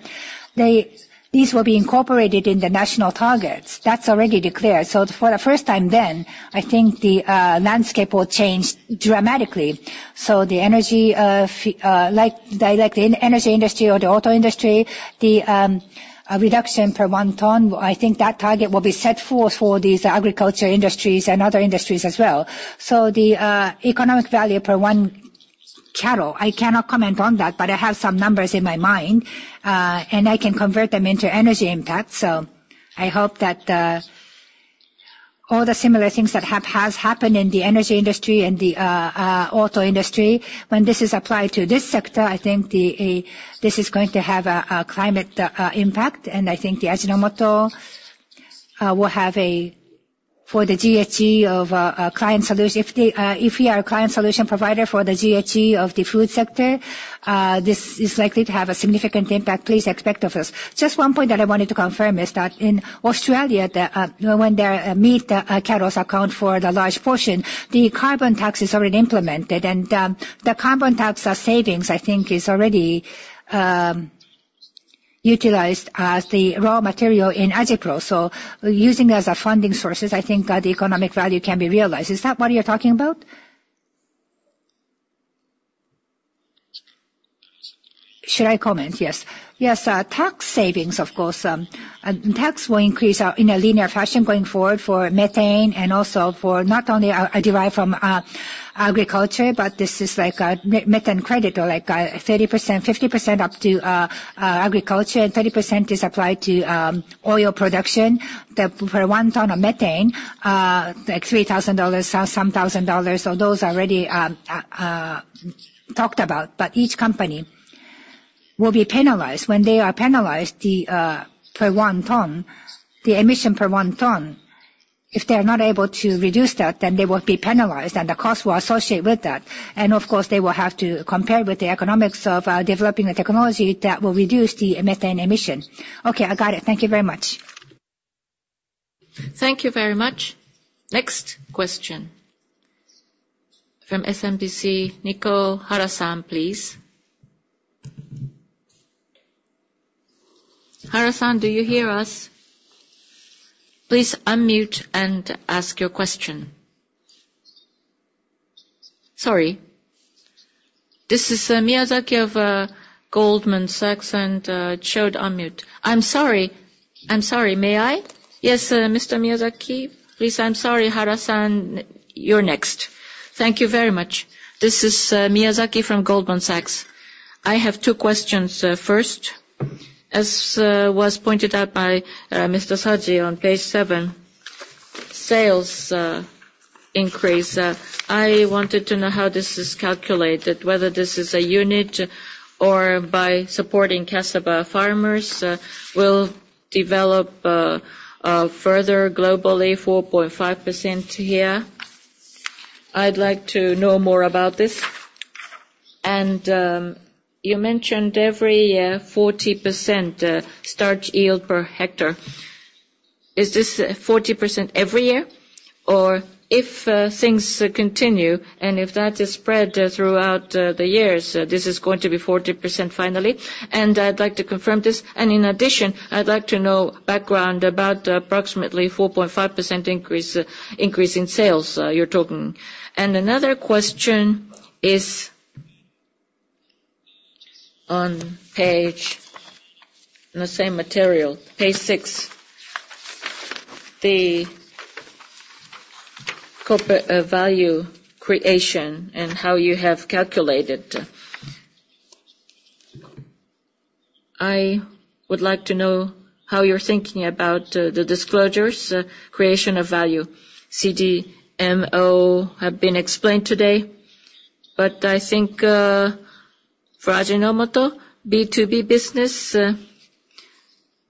these will be incorporated in the national targets. That's already declared. For the first time then, I think the landscape will change dramatically. Like the energy industry or the auto industry, the reduction per one ton, I think that target will be set forth for these agriculture industries and other industries as well. The economic value per one cattle, I cannot comment on that, but I have some numbers in my mind, and I can convert them into energy impact. I hope that all the similar things that have happened in the energy industry and the auto industry, when this is applied to this sector, I think this is going to have a climate impact, and I think Ajinomoto, if we are a client solution provider for the GHG of the food sector, this is likely to have a significant impact, please expect of us. Just one point that I wanted to confirm is that in Australia, when their meat cattles account for the large portion, the carbon tax is already implemented and the carbon tax savings, I think is already utilized as the raw material in AjiPro-L. Using it as a funding sources, I think the economic value can be realized. Is that what you're talking about? Should I comment? Yes. Tax savings, of course. Tax will increase in a linear fashion going forward for methane and also for not only derived from agriculture, but this is like a methane credit, or like 30%, 50% up to agriculture, and 30% is applied to oil production. For one ton of methane, like $3,000, some thousand dollars. Those are already talked about. But each company will be penalized. When they are penalized per one ton, the emission per one ton, if they're not able to reduce that, then they will be penalized and the cost will associate with that. Of course, they will have to compare with the economics of developing the technology that will reduce the methane emission. Okay, I got it. Thank you very much. Thank you very much. Next question from SMBC, Nicole Hara, San, please. Hara, San, do you hear us? Please unmute and ask your question. Sorry. This is Takashi of Goldman Sachs. I'm sorry. May I? Yes, Mr. Takashi, please. I'm sorry, Hara, San, you're next. Thank you very much. This is Takashi from Goldman Sachs. I have two questions. First, as was pointed out by Mr. Saji on page seven, sales increase. I wanted to know how this is calculated, whether this is a unit or by supporting cassava farmers will develop further globally, 4.5% here. I'd like to know more about this. You mentioned every year, 40% starch yield per hectare. Is this 40% every year? Or if things continue, and if that is spread throughout the years, this is going to be 40% finally? I'd like to confirm this. In addition, I'd like to know background about approximately 4.5% increase in sales you're talking. Another question is on page, in the same material, page six, the corporate value creation and how you have calculated. I would like to know how you're thinking about the disclosures, creation of value. CDMO have been explained today. I think for Ajinomoto, B2B business,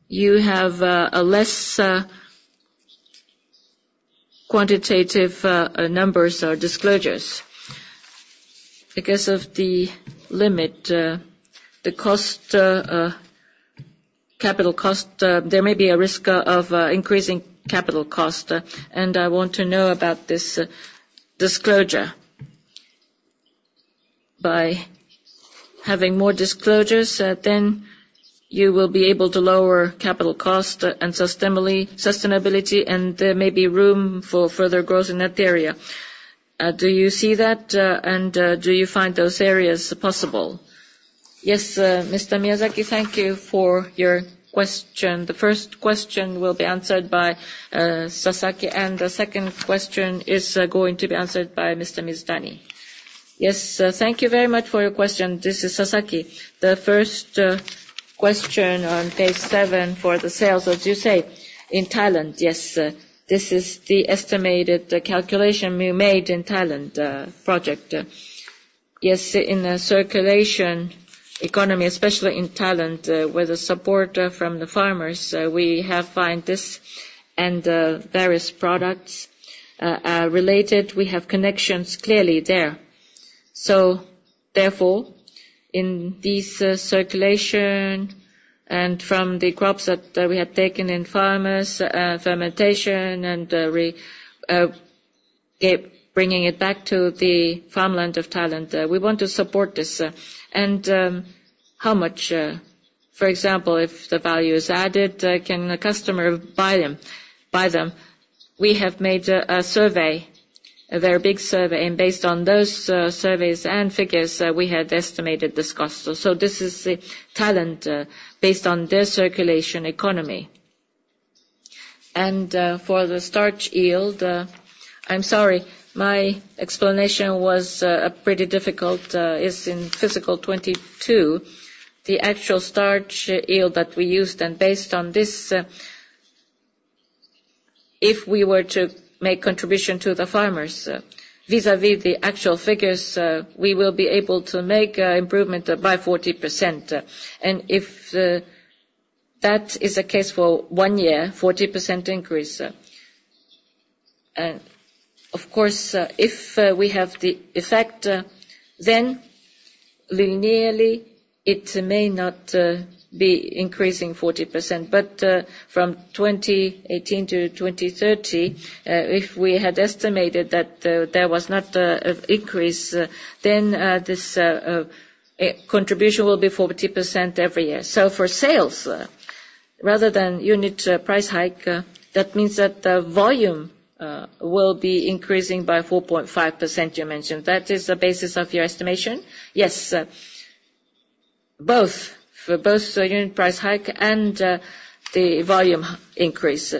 you have a less quantitative numbers or disclosures. Because of the limit, the capital cost, there may be a risk of increasing capital cost, I want to know about this disclosure. By having more disclosures, then you will be able to lower capital cost and sustainability, there may be room for further growth in that area. Do you see that? Do you find those areas possible? Yes, Mr. Takashi, thank you for your question. The first question will be answered by Sasaki. The second question is going to be answered by Mr. Mizutani. Yes, thank you very much for your question. This is Sasaki. The first question on page seven for the sales, as you say, in Thailand, yes. This is the estimated calculation we made in Thailand project. Yes, in a circulation economy, especially in Thailand, with the support from the farmers, we have find this and various products are related. We have connections clearly there. Therefore, in this circulation and from the crops that we have taken in farmers, fermentation and bringing it back to the farmland of Thailand, we want to support this. How much? For example, if the value is added, can a customer buy them? We have made a survey, a very big survey, and based on those surveys and figures, we had estimated this cost. This is Thailand based on their circulation economy. For the starch yield, I'm sorry, my explanation was pretty difficult. It's in fiscal 2022. The actual starch yield that we used and based on this, if we were to make contribution to the farmers vis-à-vis the actual figures, we will be able to make improvement by 40%. If that is the case for one year, 40% increase. Of course, if we have the effect, then linearly, it may not be increasing 40%. But from 2018 to 2030, if we had estimated that there was not increase, then this contribution will be 40% every year. For sales, rather than unit price hike, that means that the volume will be increasing by 4.5% you mentioned. That is the basis of your estimation? Yes. Both. For both unit price hike and the volume increase.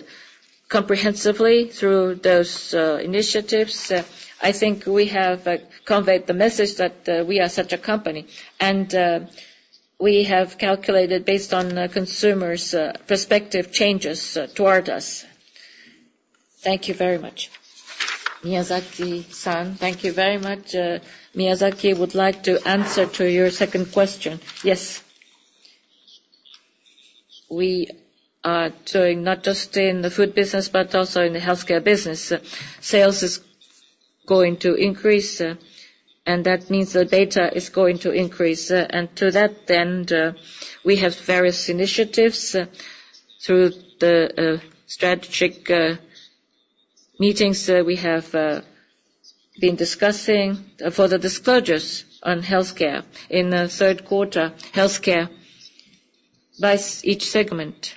Comprehensively through those initiatives, I think we have conveyed the message that we are such a company, and we have calculated based on consumers' perspective changes toward us. Thank you very much. Takashi-san, thank you very much. Takashi would like to answer to your second question. Yes. We are doing not just in the food business, but also in the healthcare business. Sales is going to increase, and that means the data is going to increase. To that end, we have various initiatives through the strategic meetings we have been discussing for the disclosures on healthcare in the third quarter. Healthcare by each segment.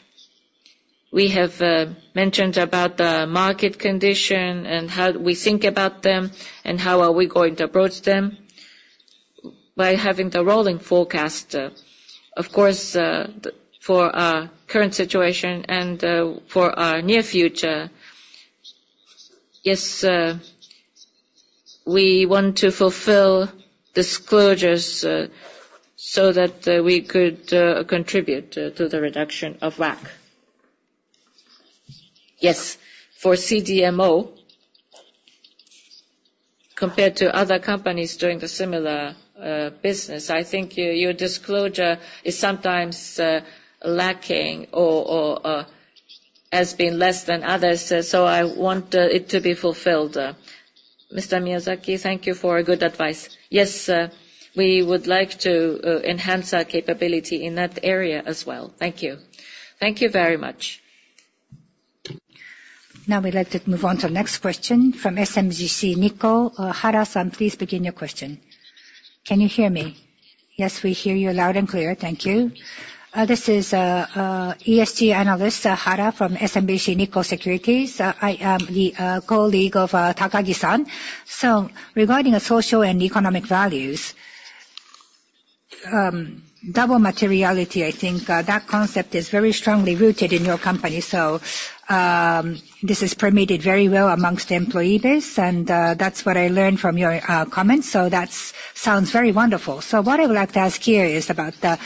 We have mentioned about the market condition, and how we think about them, and how are we going to approach them by having the rolling forecast. Of course, for our current situation and for our near future, yes, we want to fulfill disclosures so that we could contribute to the reduction of WACC. Yes, for CDMO, compared to other companies doing the similar business, I think your disclosure is sometimes lacking or has been less than others, so I want it to be fulfilled. Mr. Takashi, thank you for a good advice. Yes, we would like to enhance our capability in that area as well. Thank you. Thank you very much. Now we'd like to move on to the next question from SMBC Nikko. Hara-san, please begin your question. Can you hear me? Yes, we hear you loud and clear. Thank you. This is ESG analyst Hara from SMBC Nikko Securities. I am the colleague of Takagi-san. Regarding the social and economic values, double materiality, I think that concept is very strongly rooted in your company. This is permeated very well amongst the employee base, and that's what I learned from your comments. That sounds very wonderful. What I would like to ask here is about the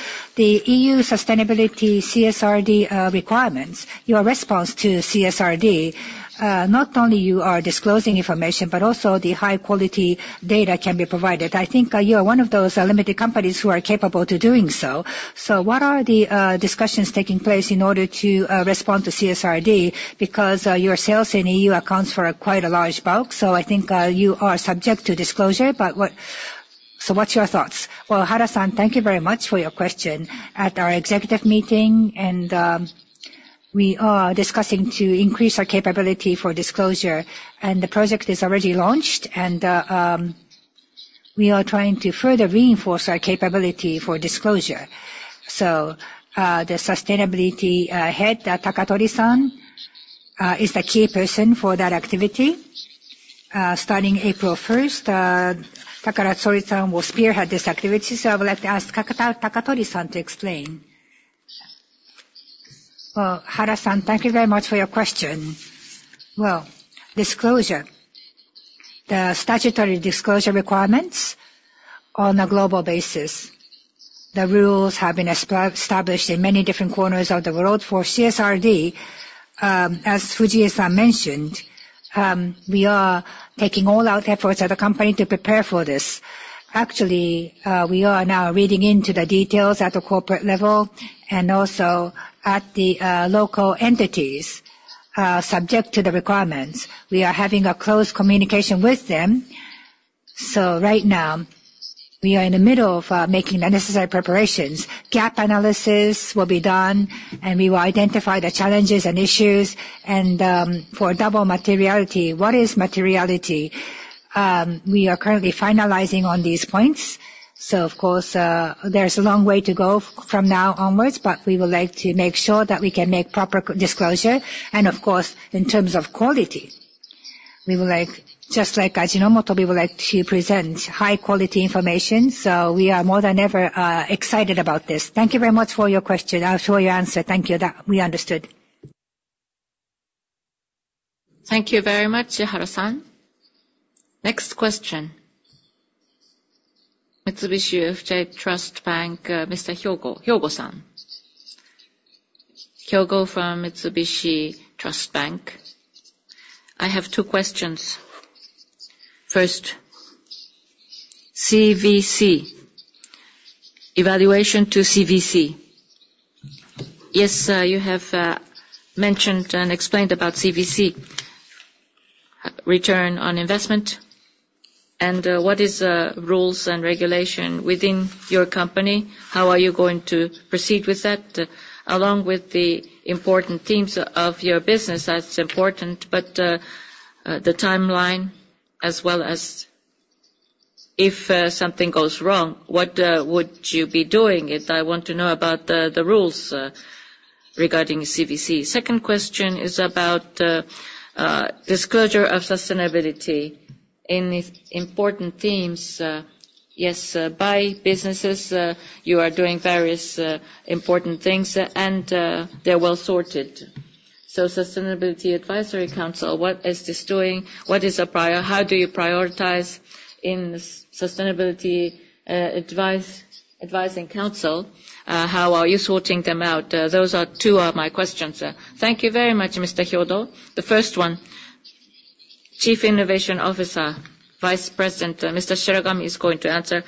EU Corporate Sustainability Reporting Directive requirements. Your response to CSRD, not only you are disclosing information, but also the high-quality data can be provided. I think you are one of those limited companies who are capable to doing so. What are the discussions taking place in order to respond to CSRD? Because your sales in EU accounts for quite a large bulk, I think you are subject to disclosure, what's your thoughts? Hara-san, thank you very much for your question. At our executive meeting, we are discussing to increase our capability for disclosure, and the project is already launched. We are trying to further reinforce our capability for disclosure. The Sustainability head, Takatori-san, is the key person for that activity. Starting April 1st, Takatori-san will spearhead this activity, I would like to ask Takatori-san to explain. Hara-san, thank you very much for your question. Disclosure. The statutory disclosure requirements on a global basis. The rules have been established in many different corners of the world. For CSRD, as Fujii-san mentioned, we are taking all out efforts at the company to prepare for this. We are now reading into the details at the corporate level and also at the local entities, subject to the requirements. We are having a close communication with them. Right now, we are in the middle of making the necessary preparations. Gap analysis will be done, and we will identify the challenges and issues. For double materiality, what is materiality? We are currently finalizing on these points. Of course, there's a long way to go from now onwards, but we would like to make sure that we can make proper disclosure. Of course, in terms of quality, just like Ajinomoto, we would like to present high-quality information, we are more than ever excited about this. Thank you very much for your question. I'm sure your answer, thank you. That we understood. Thank you very much, Hara-san. Next question. Mitsubishi UFJ Trust Bank, Mr. Hyogo. Hyogo-san. Hyogo from Mitsubishi UFJ Trust Bank. I have two questions. First, CVC. Evaluation to CVC. Yes, you have mentioned and explained about CVC return on investment. What is rules and regulation within your company? How are you going to proceed with that, along with the important themes of your business? That's important, but the timeline as well as if something goes wrong, what would you be doing? I want to know about the rules regarding CVC. Second question is about disclosure of sustainability in important themes. Yes, by businesses, you are doing various important things, and they're well-sorted. Sustainability Advisory Council, what is this doing? How do you prioritize in Sustainability Advisory Council? How are you sorting them out? Those are two of my questions. Thank you very much, Mr. Hyogo. The first one, Chief Innovation Officer Vice President Mr. Shiragami is going to answer.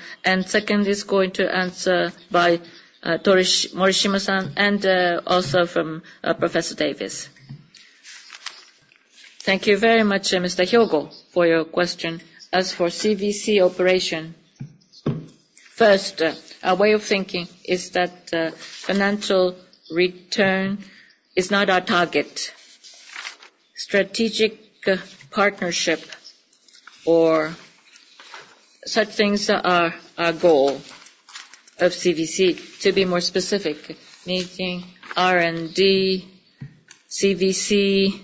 Second is going to answer by Morishima-san and also from Professor Davis. Thank you very much, Mr. Hyogo, for your question. As for CVC operation, first, our way of thinking is that financial return is not our target. Strategic partnership or such things are our goal of CVC. To be more specific, making R&D, CVC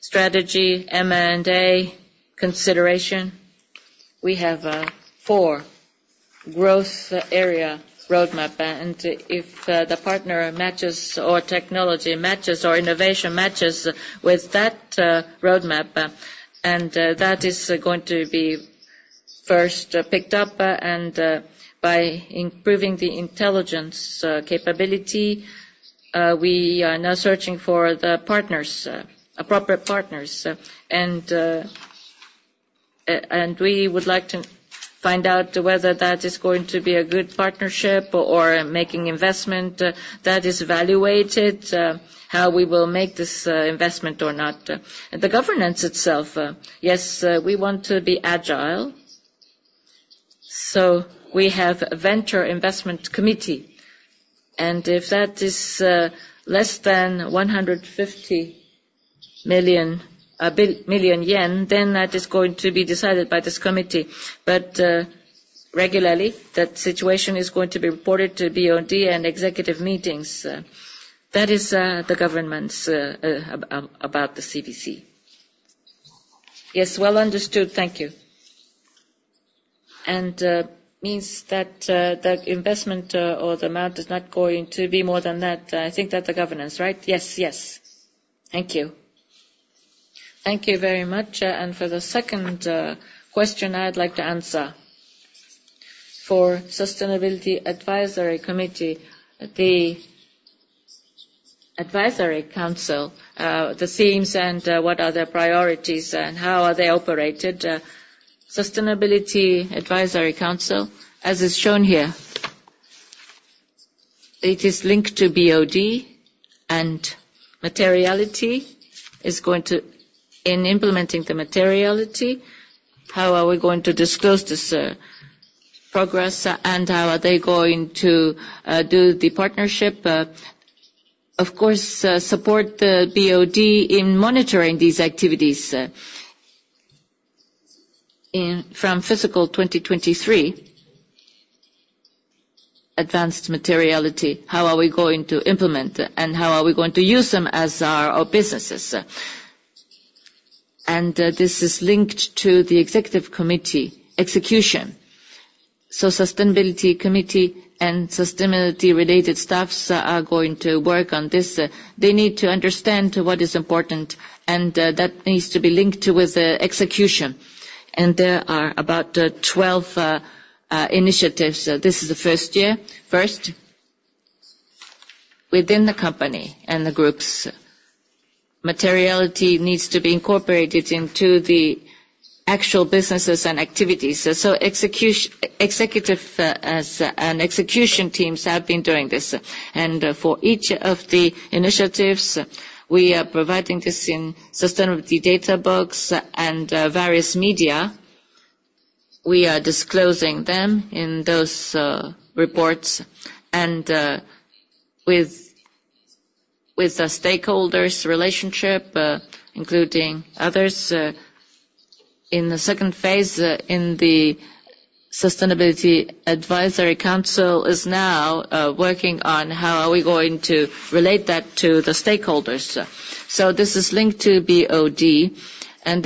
strategy, M&A consideration. We have 4 growth area roadmap, if the partner matches, or technology matches, or innovation matches with that roadmap, that is going to be first picked up, by improving the intelligence capability, we are now searching for appropriate partners. We would like to find out whether that is going to be a good partnership or making investment that is evaluated, how we will make this investment or not. The governance itself, yes, we want to be agile, so we have a venture investment committee, if that is less than 150 million, that is going to be decided by this committee. Regularly, that situation is going to be reported to BOD and executive meetings. That is the governance about the CVC. Yes, well understood. Thank you. Means that the investment or the amount is not going to be more than that. I think that's the governance, right? Yes. Thank you. Thank you very much. For Sustainability Advisory Council, the themes, and what are their priorities, and how are they operated. Sustainability Advisory Council, as is shown here. It is linked to BOD and materiality. In implementing the materiality, how are we going to disclose this progress and how are they going to do the partnership? Of course, support the BOD in monitoring these activities. From fiscal 2023, advanced materiality, how are we going to implement, and how are we going to use them as our businesses? This is linked to the executive committee execution. Sustainability Committee and sustainability-related staffs are going to work on this. They need to understand what is important, that needs to be linked with the execution. There are about 12 initiatives. This is the first year. Within the company and the groups, materiality needs to be incorporated into the actual businesses and activities. Executive and execution teams have been doing this. For each of the initiatives, we are providing this in sustainability data books and various media. We are disclosing them in those reports with the stakeholders' relationship including others. In the second phase, the Sustainability Advisory Council is now working on how are we going to relate that to the stakeholders. This is linked to BOD,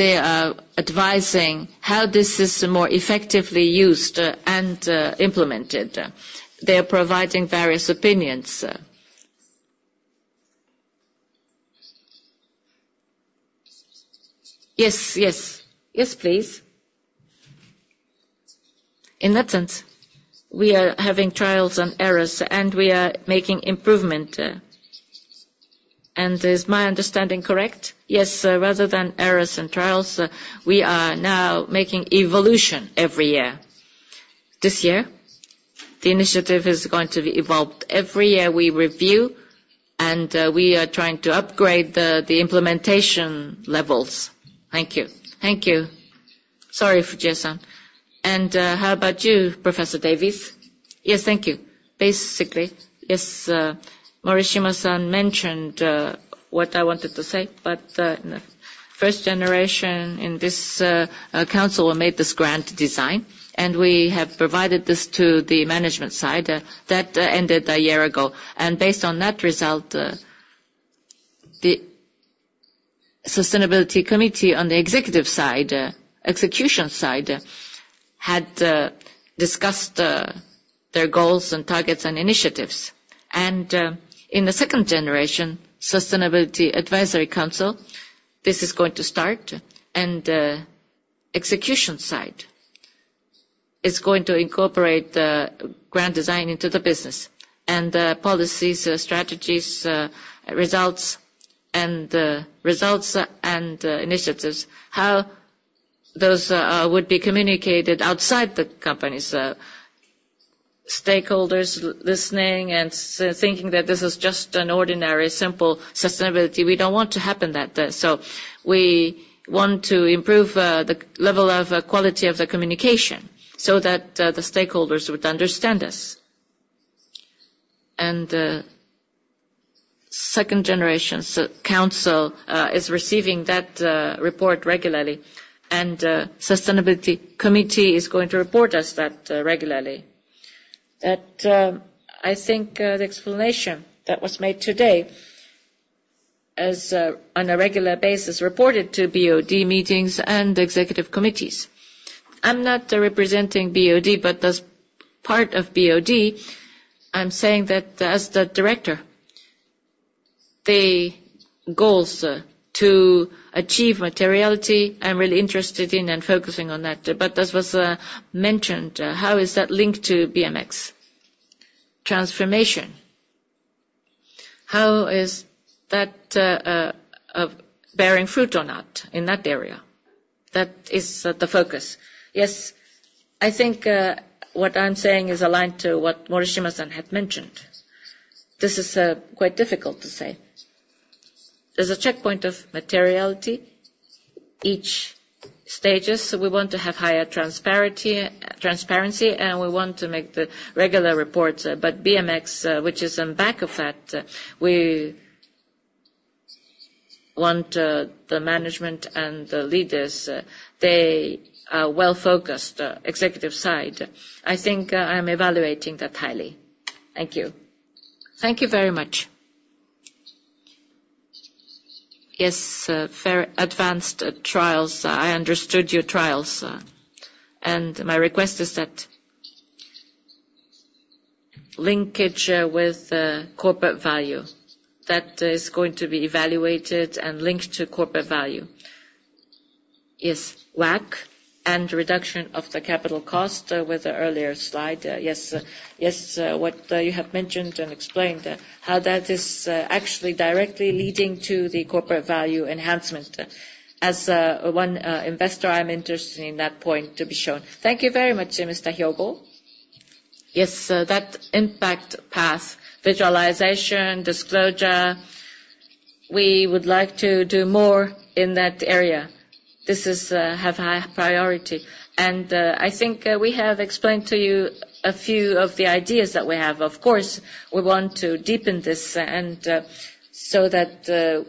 they are advising how this is more effectively used and implemented. They're providing various opinions. Yes, please. In that sense, we are having trials and errors, we are making improvement. Is my understanding correct? Yes. Rather than errors and trials, we are now making evolution every year. This year, the initiative is going to be evolved. Every year we review, we are trying to upgrade the implementation levels. Thank you. Thank you. Sorry, Fujii-san. How about you, Professor Davis? Yes, thank you. Morishima-san mentioned what I wanted to say. First generation in this council made this grand design, and we have provided this to the management side. That ended a year ago. Based on that result, the Sustainability Committee on the execution side had discussed their goals and targets and initiatives. In the second generation Sustainability Advisory Council, this is going to start, and execution side is going to incorporate the grand design into the business. The policies, strategies, results, and initiatives, how those would be communicated outside the companies. Stakeholders listening and thinking that this is just an ordinary, simple sustainability. We don't want to happen that. We want to improve the level of quality of the communication so that the stakeholders would understand us. Second generation council is receiving that report regularly, and Sustainability Committee is going to report us that regularly. That I think the explanation that was made today as on a regular basis reported to BOD meetings and executive committees. I'm not representing BOD, but as part of BOD, I'm saying that as the director. The goals to achieve materiality, I'm really interested in and focusing on that. As was mentioned, how is that linked to BX transformation? How is that bearing fruit or not in that area? That is the focus. Yes. I think what I'm saying is aligned to what Morishima-san had mentioned. This is quite difficult to say. There's a checkpoint of materiality each stages, so we want to have higher transparency, and we want to make the regular reports. BX, which is in back of that, we want the management and the leaders, they are well focused executive side. I think I am evaluating that highly. Thank you. Thank you very much. Yes, very advanced trials. I understood your trials. My request is that linkage with corporate value that is going to be evaluated and linked to corporate value is WACC and reduction of the capital cost with the earlier slide. Yes. What you have mentioned and explained, how that is actually directly leading to the corporate value enhancement. As one investor, I'm interested in that point to be shown. Thank you very much, Mr. Hyogo. Yes, that impact path, visualization, disclosure, we would like to do more in that area. This is have high priority. I think we have explained to you a few of the ideas that we have. Of course, we want to deepen this and so that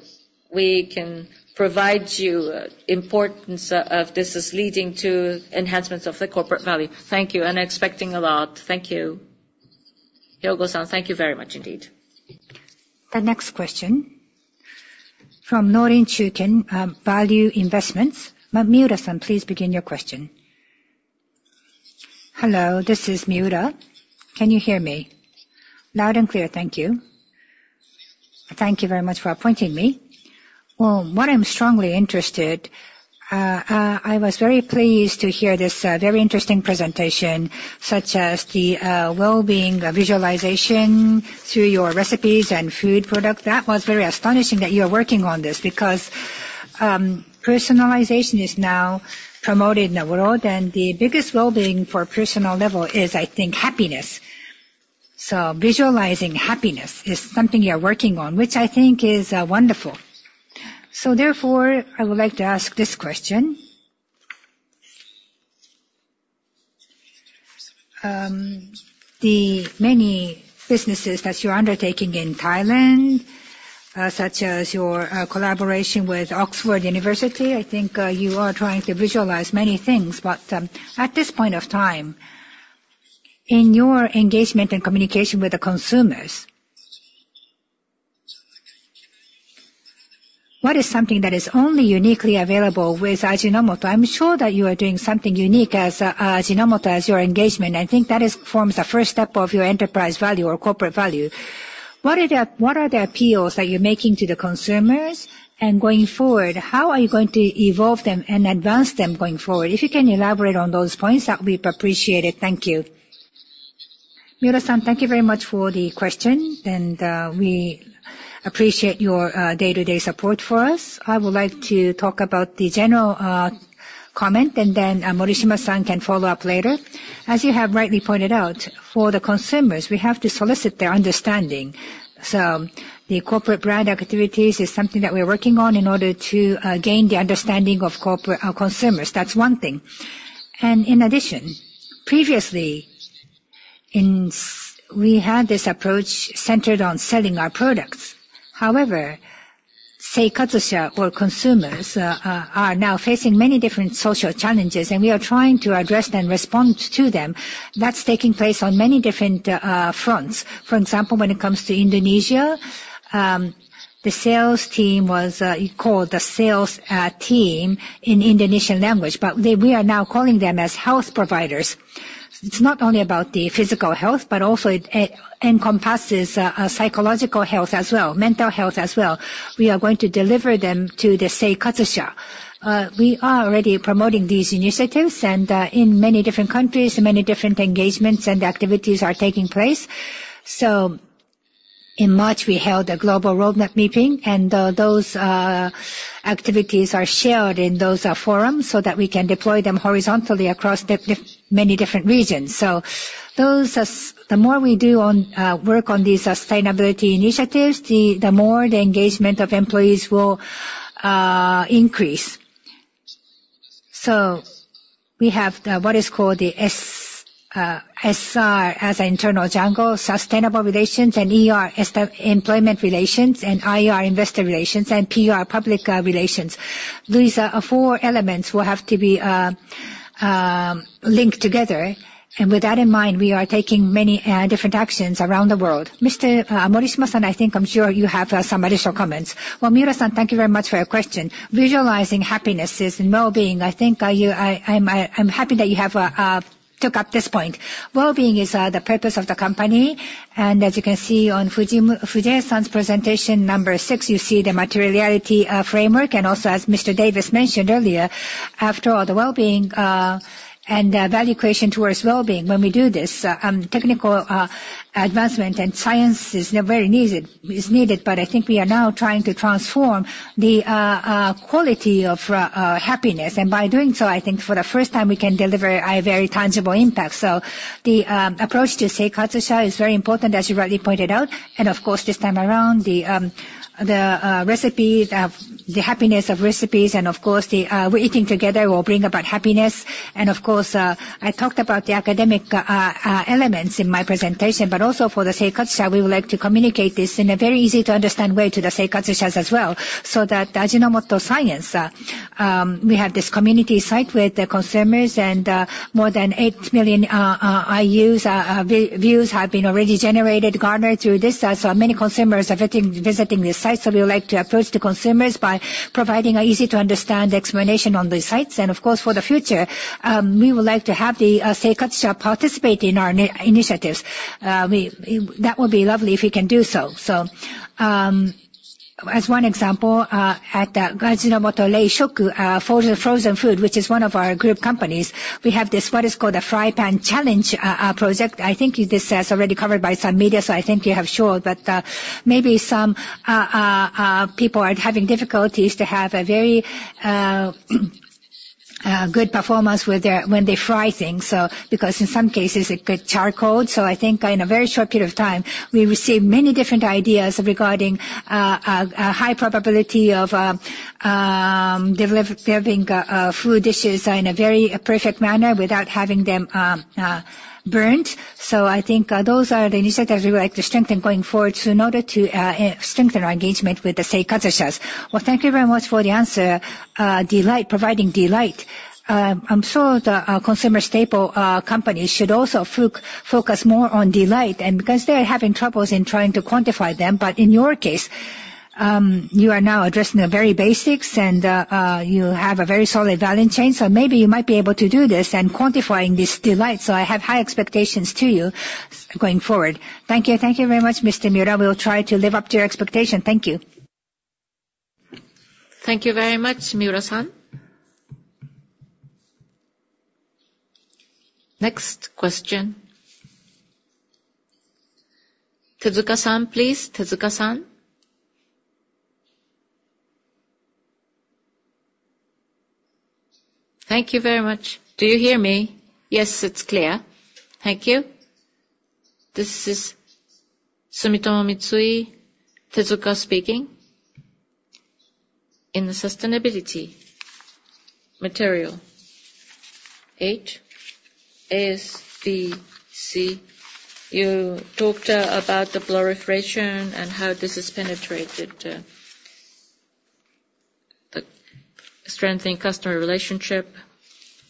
we can provide you importance of this is leading to enhancements of the corporate value. Thank you, and expecting a lot. Thank you. Hyogo-san, thank you very much indeed. The next question from Norinchukin Value Investments. Miura-san, please begin your question. Hello, this is Miura. Can you hear me? Loud and clear. Thank you. Thank you very much for appointing me. I was very pleased to hear this very interesting presentation, such as the well-being visualization through your recipes and food product. That was very astonishing that you're working on this because personalization is now promoted in the world, and the biggest well-being for personal level is, I think, happiness. Visualizing happiness is something you're working on, which I think is wonderful. I would like to ask this question. The many businesses that you're undertaking in Thailand, such as your collaboration with University of Oxford, I think you are trying to visualize many things. At this point of time, in your engagement and communication with the consumers, what is something that is only uniquely available with Ajinomoto? I am sure that you are doing something unique as Ajinomoto as your engagement. I think that forms the first step of your enterprise value or corporate value. What are the appeals that you are making to the consumers? Going forward, how are you going to evolve them and advance them going forward? If you can elaborate on those points, that would be appreciated. Thank you. Miura-san, thank you very much for the question, and we appreciate your day-to-day support for us. I would like to talk about the general comment, and then Morishima-san can follow up later. As you have rightly pointed out, for the consumers, we have to solicit their understanding. The corporate brand activities is something that we are working on in order to gain the understanding of consumers. That's one thing. In addition, previously, we had this approach centered on selling our products. However, Seikatsusha or consumers are now facing many different social challenges, and we are trying to address and respond to them. That's taking place on many different fronts. For example, when it comes to Indonesia, the sales team was called the sales team in Indonesian language, but we are now calling them as health providers. It's not only about the physical health, but also it encompasses psychological health as well, mental health as well. We are going to deliver them to the Seikatsusha. We are already promoting these initiatives, and in many different countries, many different engagements and activities are taking place. In March, we held a global roadmap meeting, and those activities are shared in those forums so that we can deploy them horizontally across many different regions. The more we do work on these sustainability initiatives, the more the engagement of employees will increase. We have what is called the SR as internal jargon, sustainable relations, and ER, employment relations, and IR, investor relations, and PR, public relations. These four elements will have to be linked together. With that in mind, we are taking many different actions around the world. Mr. Morishima-san, I think I'm sure you have some additional comments. Well, Miura-san, thank you very much for your question. Visualizing happiness is wellbeing. I think I'm happy that you have took up this point. Wellbeing is the purpose of the company, as you can see on Fujii-san's presentation number six, you see the materiality framework. Also, as Mr. Davis mentioned earlier, after all, the wellbeing and value creation towards wellbeing when we do this, technical advancement and science is very needed. I think we are now trying to transform the quality of happiness. By doing so, I think for the first time we can deliver a very tangible impact. The approach to Seikatsusha is very important, as you rightly pointed out. Of course, this time around, the happiness of recipes and, of course, we're eating together will bring about happiness. Of course, I talked about the academic elements in my presentation, but also for the Seikatsusha, we would like to communicate this in a very easy-to-understand way to the Seikatsushas as well. That Ajinomoto science, we have this community site with the consumers, and more than 8 million views have been already generated, garnered through this. Many consumers are visiting the site. We would like to approach the consumers by providing an easy-to-understand explanation on the sites. Of course, for the future, we would like to have the Seikatsusha participate in our initiatives. That would be lovely if we can do so. As one example, at Ajinomoto Reisoku, Frozen Food, which is one of our group companies, we have this what is called a Fry Pan Challenge project. I think this has already covered by some media, I think you have showed, but maybe some people are having difficulties to have a very good performance when they fry things because in some cases, it could charcoal. I think in a very short period of time, we received many different ideas regarding a high probability of delivering food dishes in a very perfect manner without having them burnt. I think those are the initiatives we would like to strengthen going forward in order to strengthen our engagement with the Seikatsushas. Thank you very much for the answer. Delight, providing delight. I'm sure the consumer staple companies should also focus more on delight and because they are having troubles in trying to quantify them. In your case, you are now addressing the very basics, and you have a very solid value chain. Maybe you might be able to do this and quantifying this delight. I have high expectations to you going forward. Thank you. Thank you very much, Mr. Miura. We will try to live up to your expectation. Thank you. Thank you very much, Miura-san. Next question. Tezuka-san, please. Tezuka-san? Thank you very much. Do you hear me? Yes, it's clear. Thank you. This is Sumitomo Mitsui, Tezuka speaking. In the sustainability material, 8, SDGs, you talked about the blue refrigeration and how this has penetrated the strengthening customer relationship,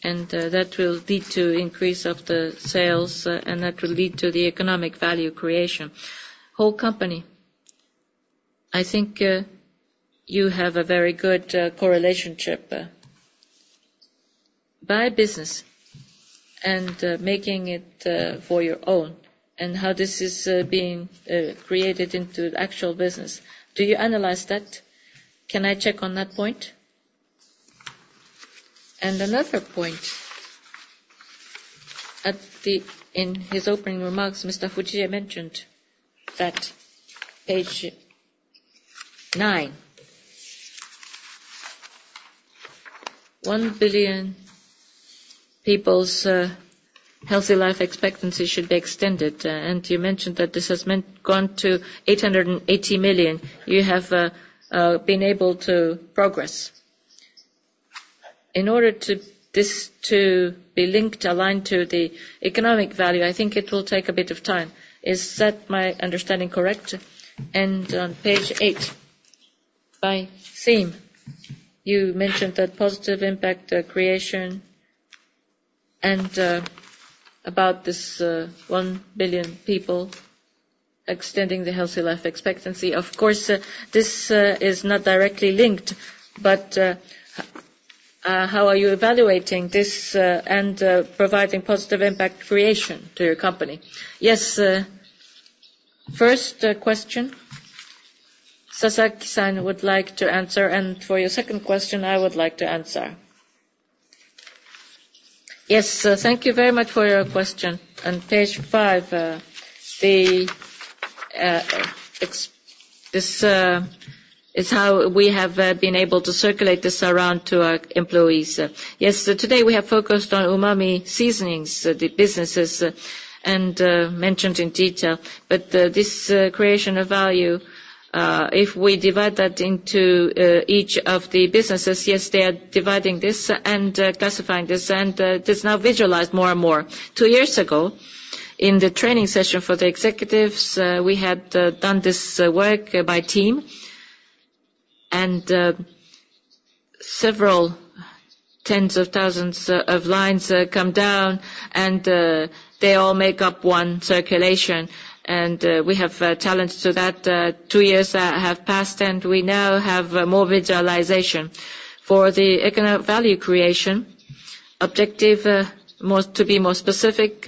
that will lead to increase of the sales, and that will lead to the economic value creation. Whole company, I think you have a very good relationship. By business and making it for your own and how this is being created into actual business, do you analyze that? Can I check on that point? Another point. In his opening remarks, Mr. Fujii mentioned that page nine, 1 billion people's healthy life expectancy should be extended. You mentioned that this has gone to 880 million. You have been able to progress. In order this to be linked, aligned to the economic value, I think it will take a bit of time. Is that my understanding correct? On page eight, by theme, you mentioned that positive impact creation and about this 1 billion people extending the healthy life expectancy. Of course, this is not directly linked, but how are you evaluating this and providing positive impact creation to your company? Yes. First question, Sasaki-san would like to answer, for your second question, I would like to answer. Yes. Thank you very much for your question. On page five, this is how we have been able to circulate this around to our employees. Yes, today we have focused on umami seasonings, the businesses, and mentioned in detail. This creation of value, if we divide that into each of the businesses, yes, they are dividing this and classifying this and it is now visualized more and more. Two years ago, in the training session for the executives, we had done this work by team. Several tens of thousands of lines come down and they all make up one circulation, and we have challenged to that. Two years have passed, and we now have more visualization. For the economic value creation objective, to be more specific,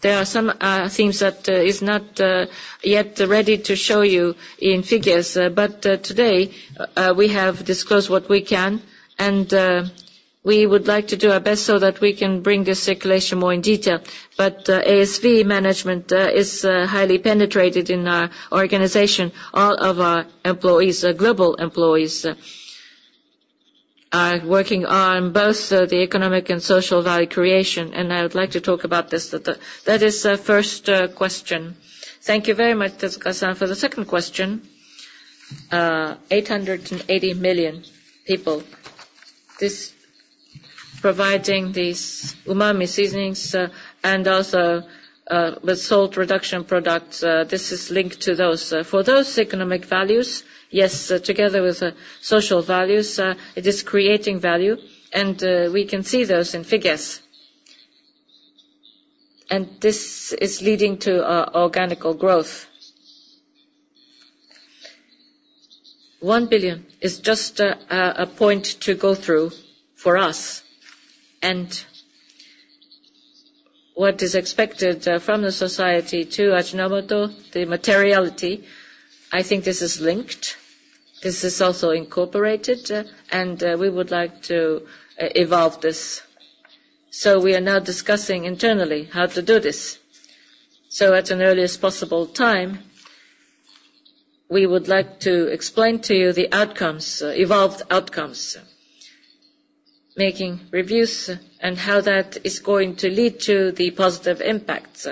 there are some things that is not yet ready to show you in figures. Today, we have discussed what we can, and we would like to do our best so that we can bring this circulation more in detail. ASV management is highly penetrated in our organization. All of our global employees are working on both the economic and social value creation, and I would like to talk about this. That is the first question. Thank you very much, Tezuka-san. For the second question, 880 million people. This providing these umami seasonings and also the salt reduction products, this is linked to those. For those economic values, yes, together with social values, it is creating value, and we can see those in figures. This is leading to our organical growth. One billion is just a point to go through for us. What is expected from the society to Ajinomoto, the materiality, I think this is linked. This is also incorporated, and we would like to evolve this. We are now discussing internally how to do this. At an earliest possible time, we would like to explain to you the evolved outcomes, making reviews and how that is going to lead to the positive impacts.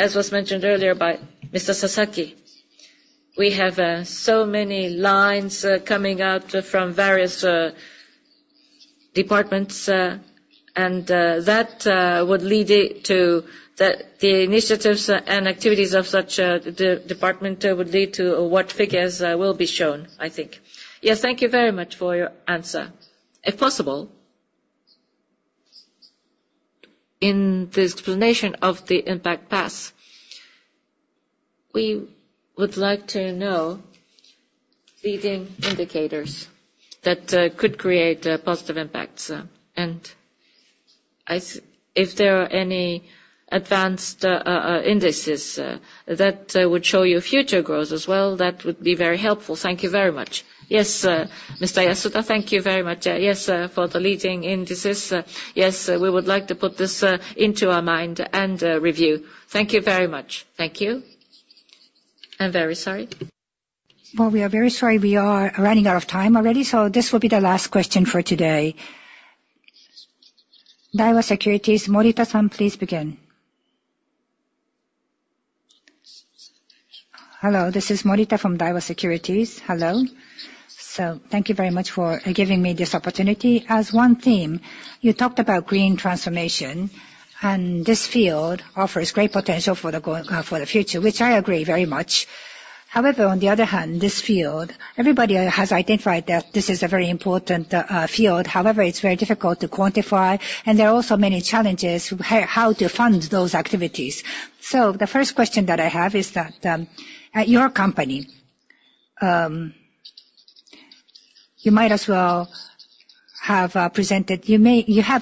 As was mentioned earlier by Mr. Sasaki, we have so many lines coming out from various departments, and the initiatives and activities of such department would lead to what figures will be shown, I think. Yes, thank you very much for your answer. If possible, in the explanation of the impact path, we would like to know leading indicators that could create positive impacts. If there are any advanced indices that would show your future growth as well, that would be very helpful. Thank you very much. Yes, Mr. Yasuda, thank you very much. Yes, for the leading indices. Yes, we would like to put this into our mind and review. Thank you very much. Thank you. I'm very sorry. Well, we are very sorry we are running out of time already, so this will be the last question for today. Daiwa Securities, Makoto-san, please begin. Hello, this is Makoto from Daiwa Securities. Hello. Thank you very much for giving me this opportunity. As one theme, you talked about green transformation, and this field offers great potential for the future, which I agree very much. On the other hand, this field, everybody has identified that this is a very important field. It's very difficult to quantify, and there are also many challenges how to fund those activities. The first question that I have is that, at your company, you have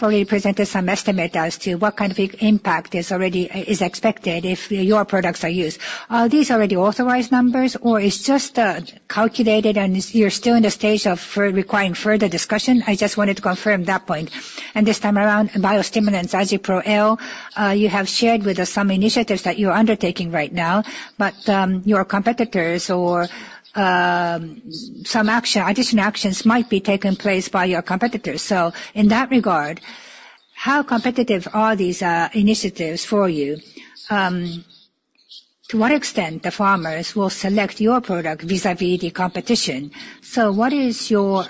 already presented some estimate as to what kind of impact is expected if your products are used. Are these already authorized numbers, or it's just calculated and you're still in the stage of requiring further discussion? I just wanted to confirm that point. This time around, biostimulants, AjiPro-L, you have shared with us some initiatives that you're undertaking right now, but your competitors or some additional actions might be taking place by your competitors. In that regard, how competitive are these initiatives for you? To what extent the farmers will select your product vis-à-vis the competition? What is your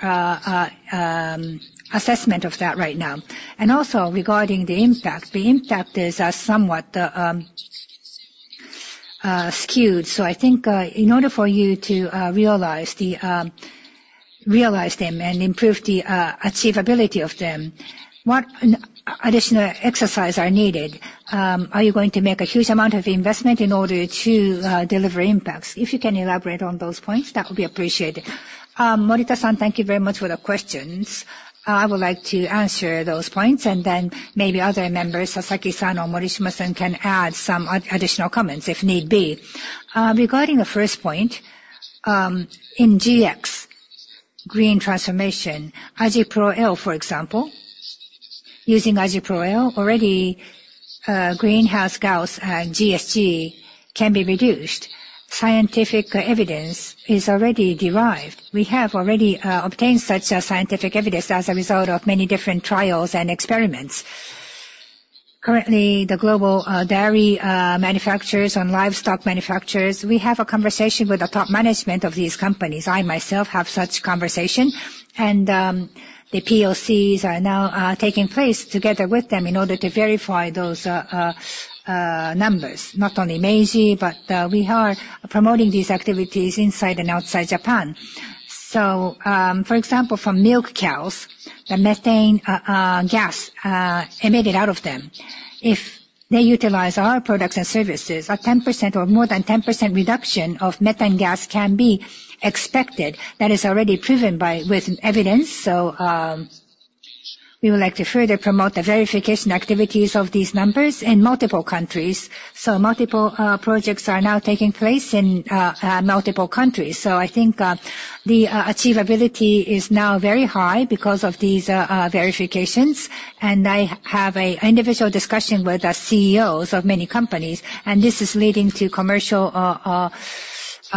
assessment of that right now? Also regarding the impact, the impact is somewhat skewed. I think in order for you to realize them and improve the achievability of them, what additional exercise are needed? Are you going to make a huge amount of investment in order to deliver impacts? If you can elaborate on those points, that would be appreciated. Makoto-san, thank you very much for the questions. I would like to answer those points, and then maybe other members, Sasaki or Morishima, can add some additional comments if need be. Regarding the first point In GX, green transformation, AjiPro-L, for example. Using AjiPro-L, already greenhouse gas, GHG, can be reduced. Scientific evidence is already derived. We have already obtained such a scientific evidence as a result of many different trials and experiments. Currently, the global dairy manufacturers and livestock manufacturers, we have a conversation with the top management of these companies. I myself have such conversation. The POCs are now taking place together with them in order to verify those numbers. Not only Meiji, but we are promoting these activities inside and outside Japan. For example, for milk cows, the methane gas emitted out of them, if they utilize our products and services, a 10% or more than 10% reduction of methane gas can be expected. That is already proven with evidence. We would like to further promote the verification activities of these numbers in multiple countries. Multiple projects are now taking place in multiple countries. I think the achievability is now very high because of these verifications. I have an individual discussion with the CEOs of many companies, and this is leading to commercial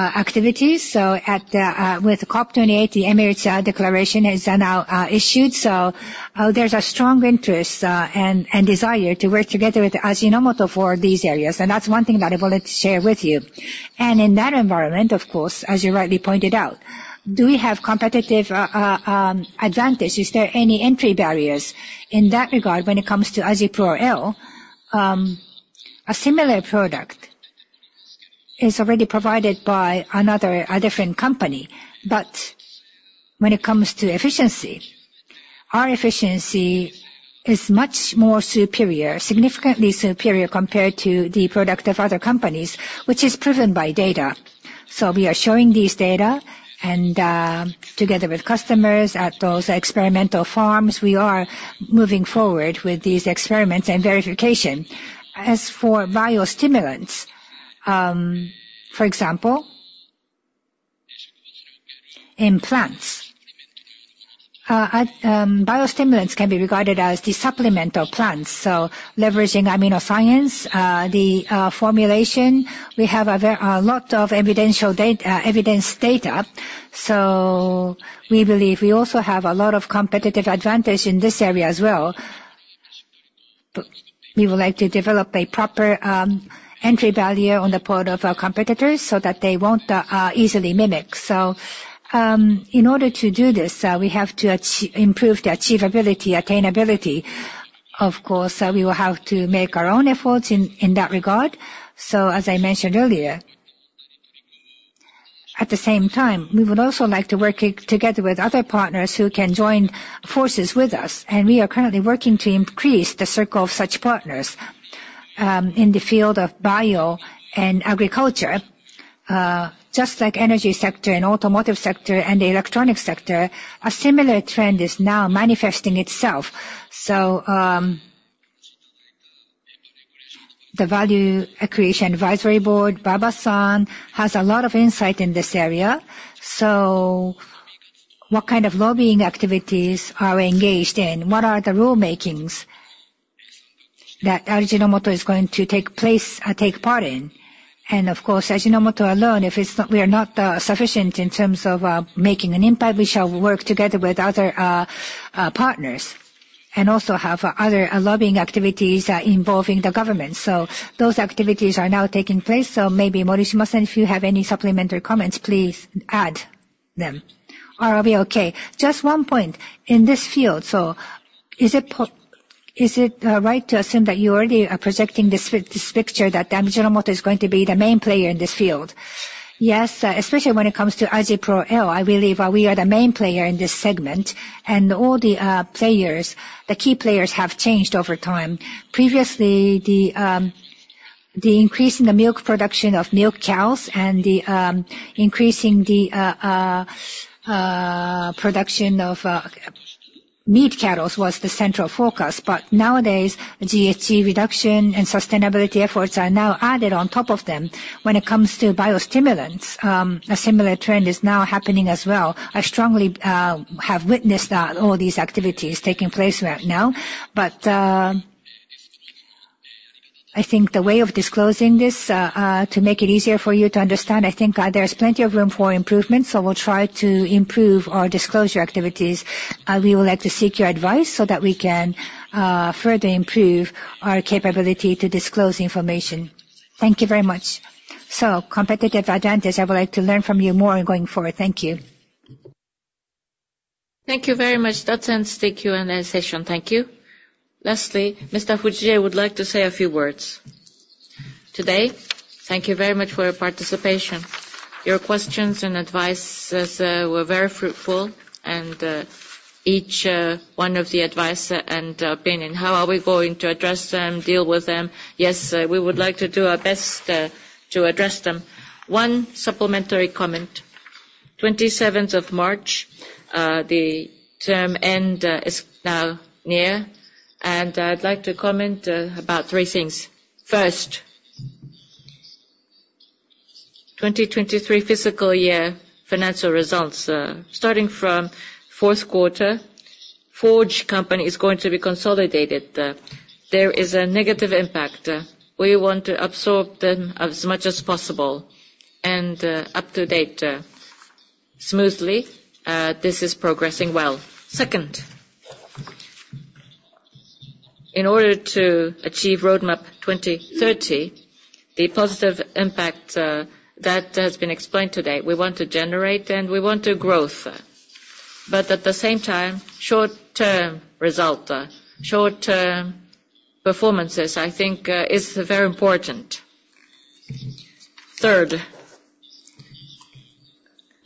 activities. With COP28, the Emirates Declaration on Sustainable Agriculture, Resilient Food Systems, and Climate Action is now issued, there's a strong interest and desire to work together with Ajinomoto for these areas, and that's one thing that I wanted to share with you. In that environment, of course, as you rightly pointed out, do we have competitive advantage? Is there any entry barriers in that regard when it comes to AjiPro-L? A similar product is already provided by another, a different company. When it comes to efficiency, our efficiency is much more superior, significantly superior compared to the product of other companies, which is proven by data. We are showing these data, and together with customers at those experimental farms, we are moving forward with these experiments and verification. As for biostimulants, for example, in plants. Biostimulants can be regarded as the supplement of plants. Leveraging AminoScience, the formulation, we have a lot of evidence data. We believe we also have a lot of competitive advantage in this area as well. We would like to develop a proper entry value on the part of our competitors so that they won't easily mimic. In order to do this, we have to improve the achievability, attainability. Of course, we will have to make our own efforts in that regard. As I mentioned earlier, at the same time, we would also like to work together with other partners who can join forces with us. We are currently working to increase the circle of such partners in the field of bio and agriculture. Just like energy sector and automotive sector and the electronic sector, a similar trend is now manifesting itself. The Value Creation Advisory Board, Baba-san, has a lot of insight in this area. What kind of lobbying activities are we engaged in? What are the rule makings that Ajinomoto is going to take part in? Of course, Ajinomoto alone, we are not sufficient in terms of making an impact. We shall work together with other partners, and also have other lobbying activities involving the government. Those activities are now taking place. Maybe Morishima-san, if you have any supplementary comments, please add them. I'll be okay. Just one point. In this field, is it right to assume that you already are projecting this picture that Ajinomoto is going to be the main player in this field? Yes. Especially when it comes to AjiPro-L, I believe we are the main player in this segment. All the players, the key players have changed over time. Previously, the increase in the milk production of milk cows and the increasing the production of meat cattles was the central focus. Nowadays, the GHG reduction and sustainability efforts are now added on top of them. When it comes to biostimulants, a similar trend is now happening as well. I strongly have witnessed all these activities taking place right now. I think the way of disclosing this to make it easier for you to understand, I think there is plenty of room for improvement, we'll try to improve our disclosure activities. We would like to seek your advice so that we can further improve our capability to disclose information. Thank you very much. Competitive advantage, I would like to learn from you more going forward. Thank you. Thank you very much. That ends the Q&A session. Thank you. Lastly, Mr. Fujii would like to say a few words. Today, thank you very much for your participation. Your questions and advices were very fruitful, each one of the advice and opinion, how are we going to address them, deal with them? Yes, we would like to do our best to address them. One supplementary comment. 27th of March, the term end is now near, and I'd like to comment about three things. First, 2023 fiscal year financial results. Starting from fourth quarter, Forge company is going to be consolidated. There is a negative impact. We want to absorb them as much as possible and up to date smoothly. This is progressing well. Second, in order to achieve Roadmap 2030, the positive impact that has been explained today, we want to generate and we want to growth. At the same time, short-term result, short-term performances, I think is very important. Third,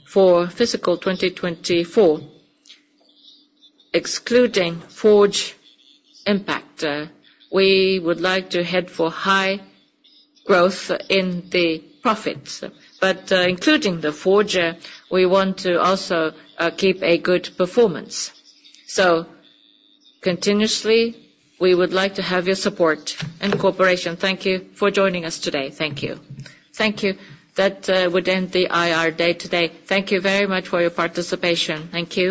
for fiscal 2024, excluding Forge impact, we would like to head for high growth in the profits. Including the Forge, we want to also keep a good performance. Continuously, we would like to have your support and cooperation. Thank you for joining us today. Thank you. Thank you. That would end the IR day today. Thank you very much for your participation. Thank you